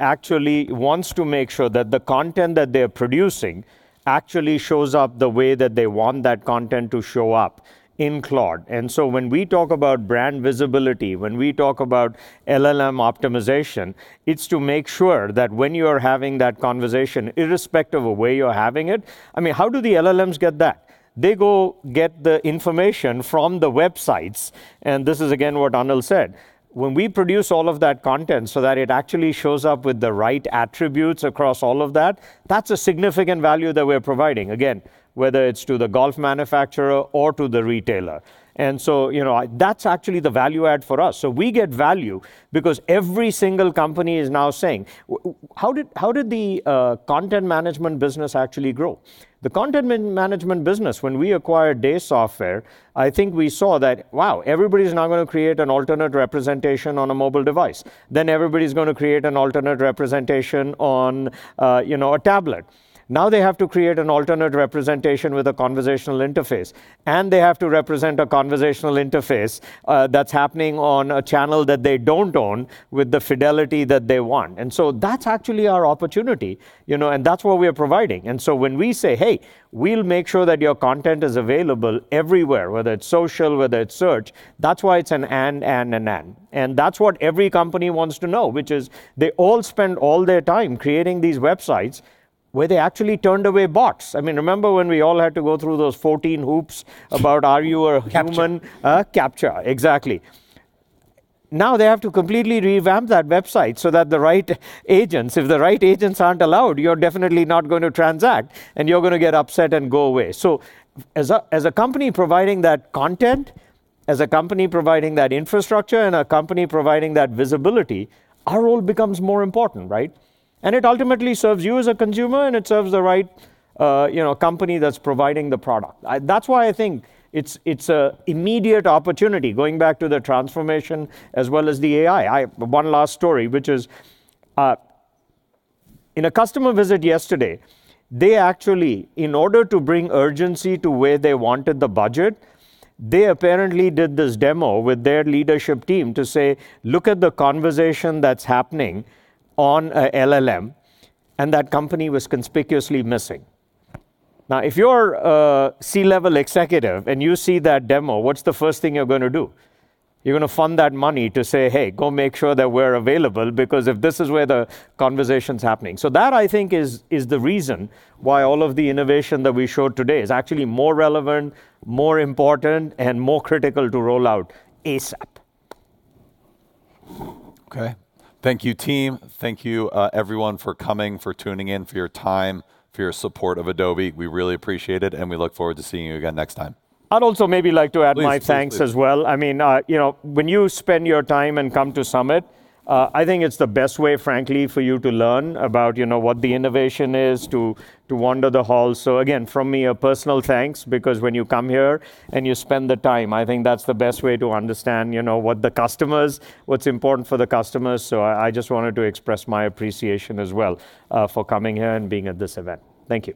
actually wants to make sure that the content that they're producing actually shows up the way that they want that content to show up in Claude. When we talk about brand visibility, when we talk about LLM optimization, it's to make sure that when you are having that conversation, irrespective of where you're having it, I mean, how do the LLMs get that? They go get the information from the websites, and this is again what Anil said. When we produce all of that content so that it actually shows up with the right attributes across all of that's a significant value that we're providing, again, whether it's to the golf manufacturer or to the retailer. That's actually the value add for us. We get value because every single company is now saying, "How did the content management business actually grow?" The content management business, when we acquired Day Software, I think we saw that, wow, everybody's now going to create an alternate representation on a mobile device. Everybody's going to create an alternate representation on a tablet. Now they have to create an alternate representation with a conversational interface. They have to represent a conversational interface that's happening on a channel that they don't own with the fidelity that they want. That's actually our opportunity, and that's what we are providing. When we say, "Hey, we'll make sure that your content is available everywhere, whether it's social, whether it's search," that's why it's an and, and and. That's what every company wants to know, which is they all spend all their time creating these websites where they actually turned away bots. Remember when we all had to go through those 14 hoops about are you a human? CAPTCHA. CAPTCHA, exactly. Now they have to completely revamp that website so that the right agents, if the right agents aren't allowed, you're definitely not going to transact, and you're going to get upset and go away. As a company providing that content, as a company providing that infrastructure, and a company providing that visibility, our role becomes more important, right? It ultimately serves you as a consumer, and it serves the right company that's providing the product. That's why I think it's an immediate opportunity, going back to the transformation as well as the AI. I have one last story, which is, in a customer visit yesterday, they actually, in order to bring urgency to where they wanted the budget, they apparently did this demo with their leadership team to say, "Look at the conversation that's happening on an LLM," and that company was conspicuously missing. Now, if you're a C-level executive and you see that demo, what's the first thing you're going to do? You're going to funnel that money to say, "Hey, go make sure that we're available, because if this is where the conversation's happening." That, I think, is the reason why all of the innovation that we showed today is actually more relevant, more important, and more critical to roll out ASAP. Okay. Thank you, team. Thank you, everyone, for coming, for tuning in, for your time, for your support of Adobe. We really appreciate it, and we look forward to seeing you again next time. I'd also maybe like to add my thanks as well. When you spend your time and come to summit, I think it's the best way, frankly, for you to learn about what the innovation is, to wander the halls. Again, from me, a personal thanks, because when you come here and you spend the time, I think that's the best way to understand what's important for the customers. I just wanted to express my appreciation as well for coming here and being at this event. Thank you.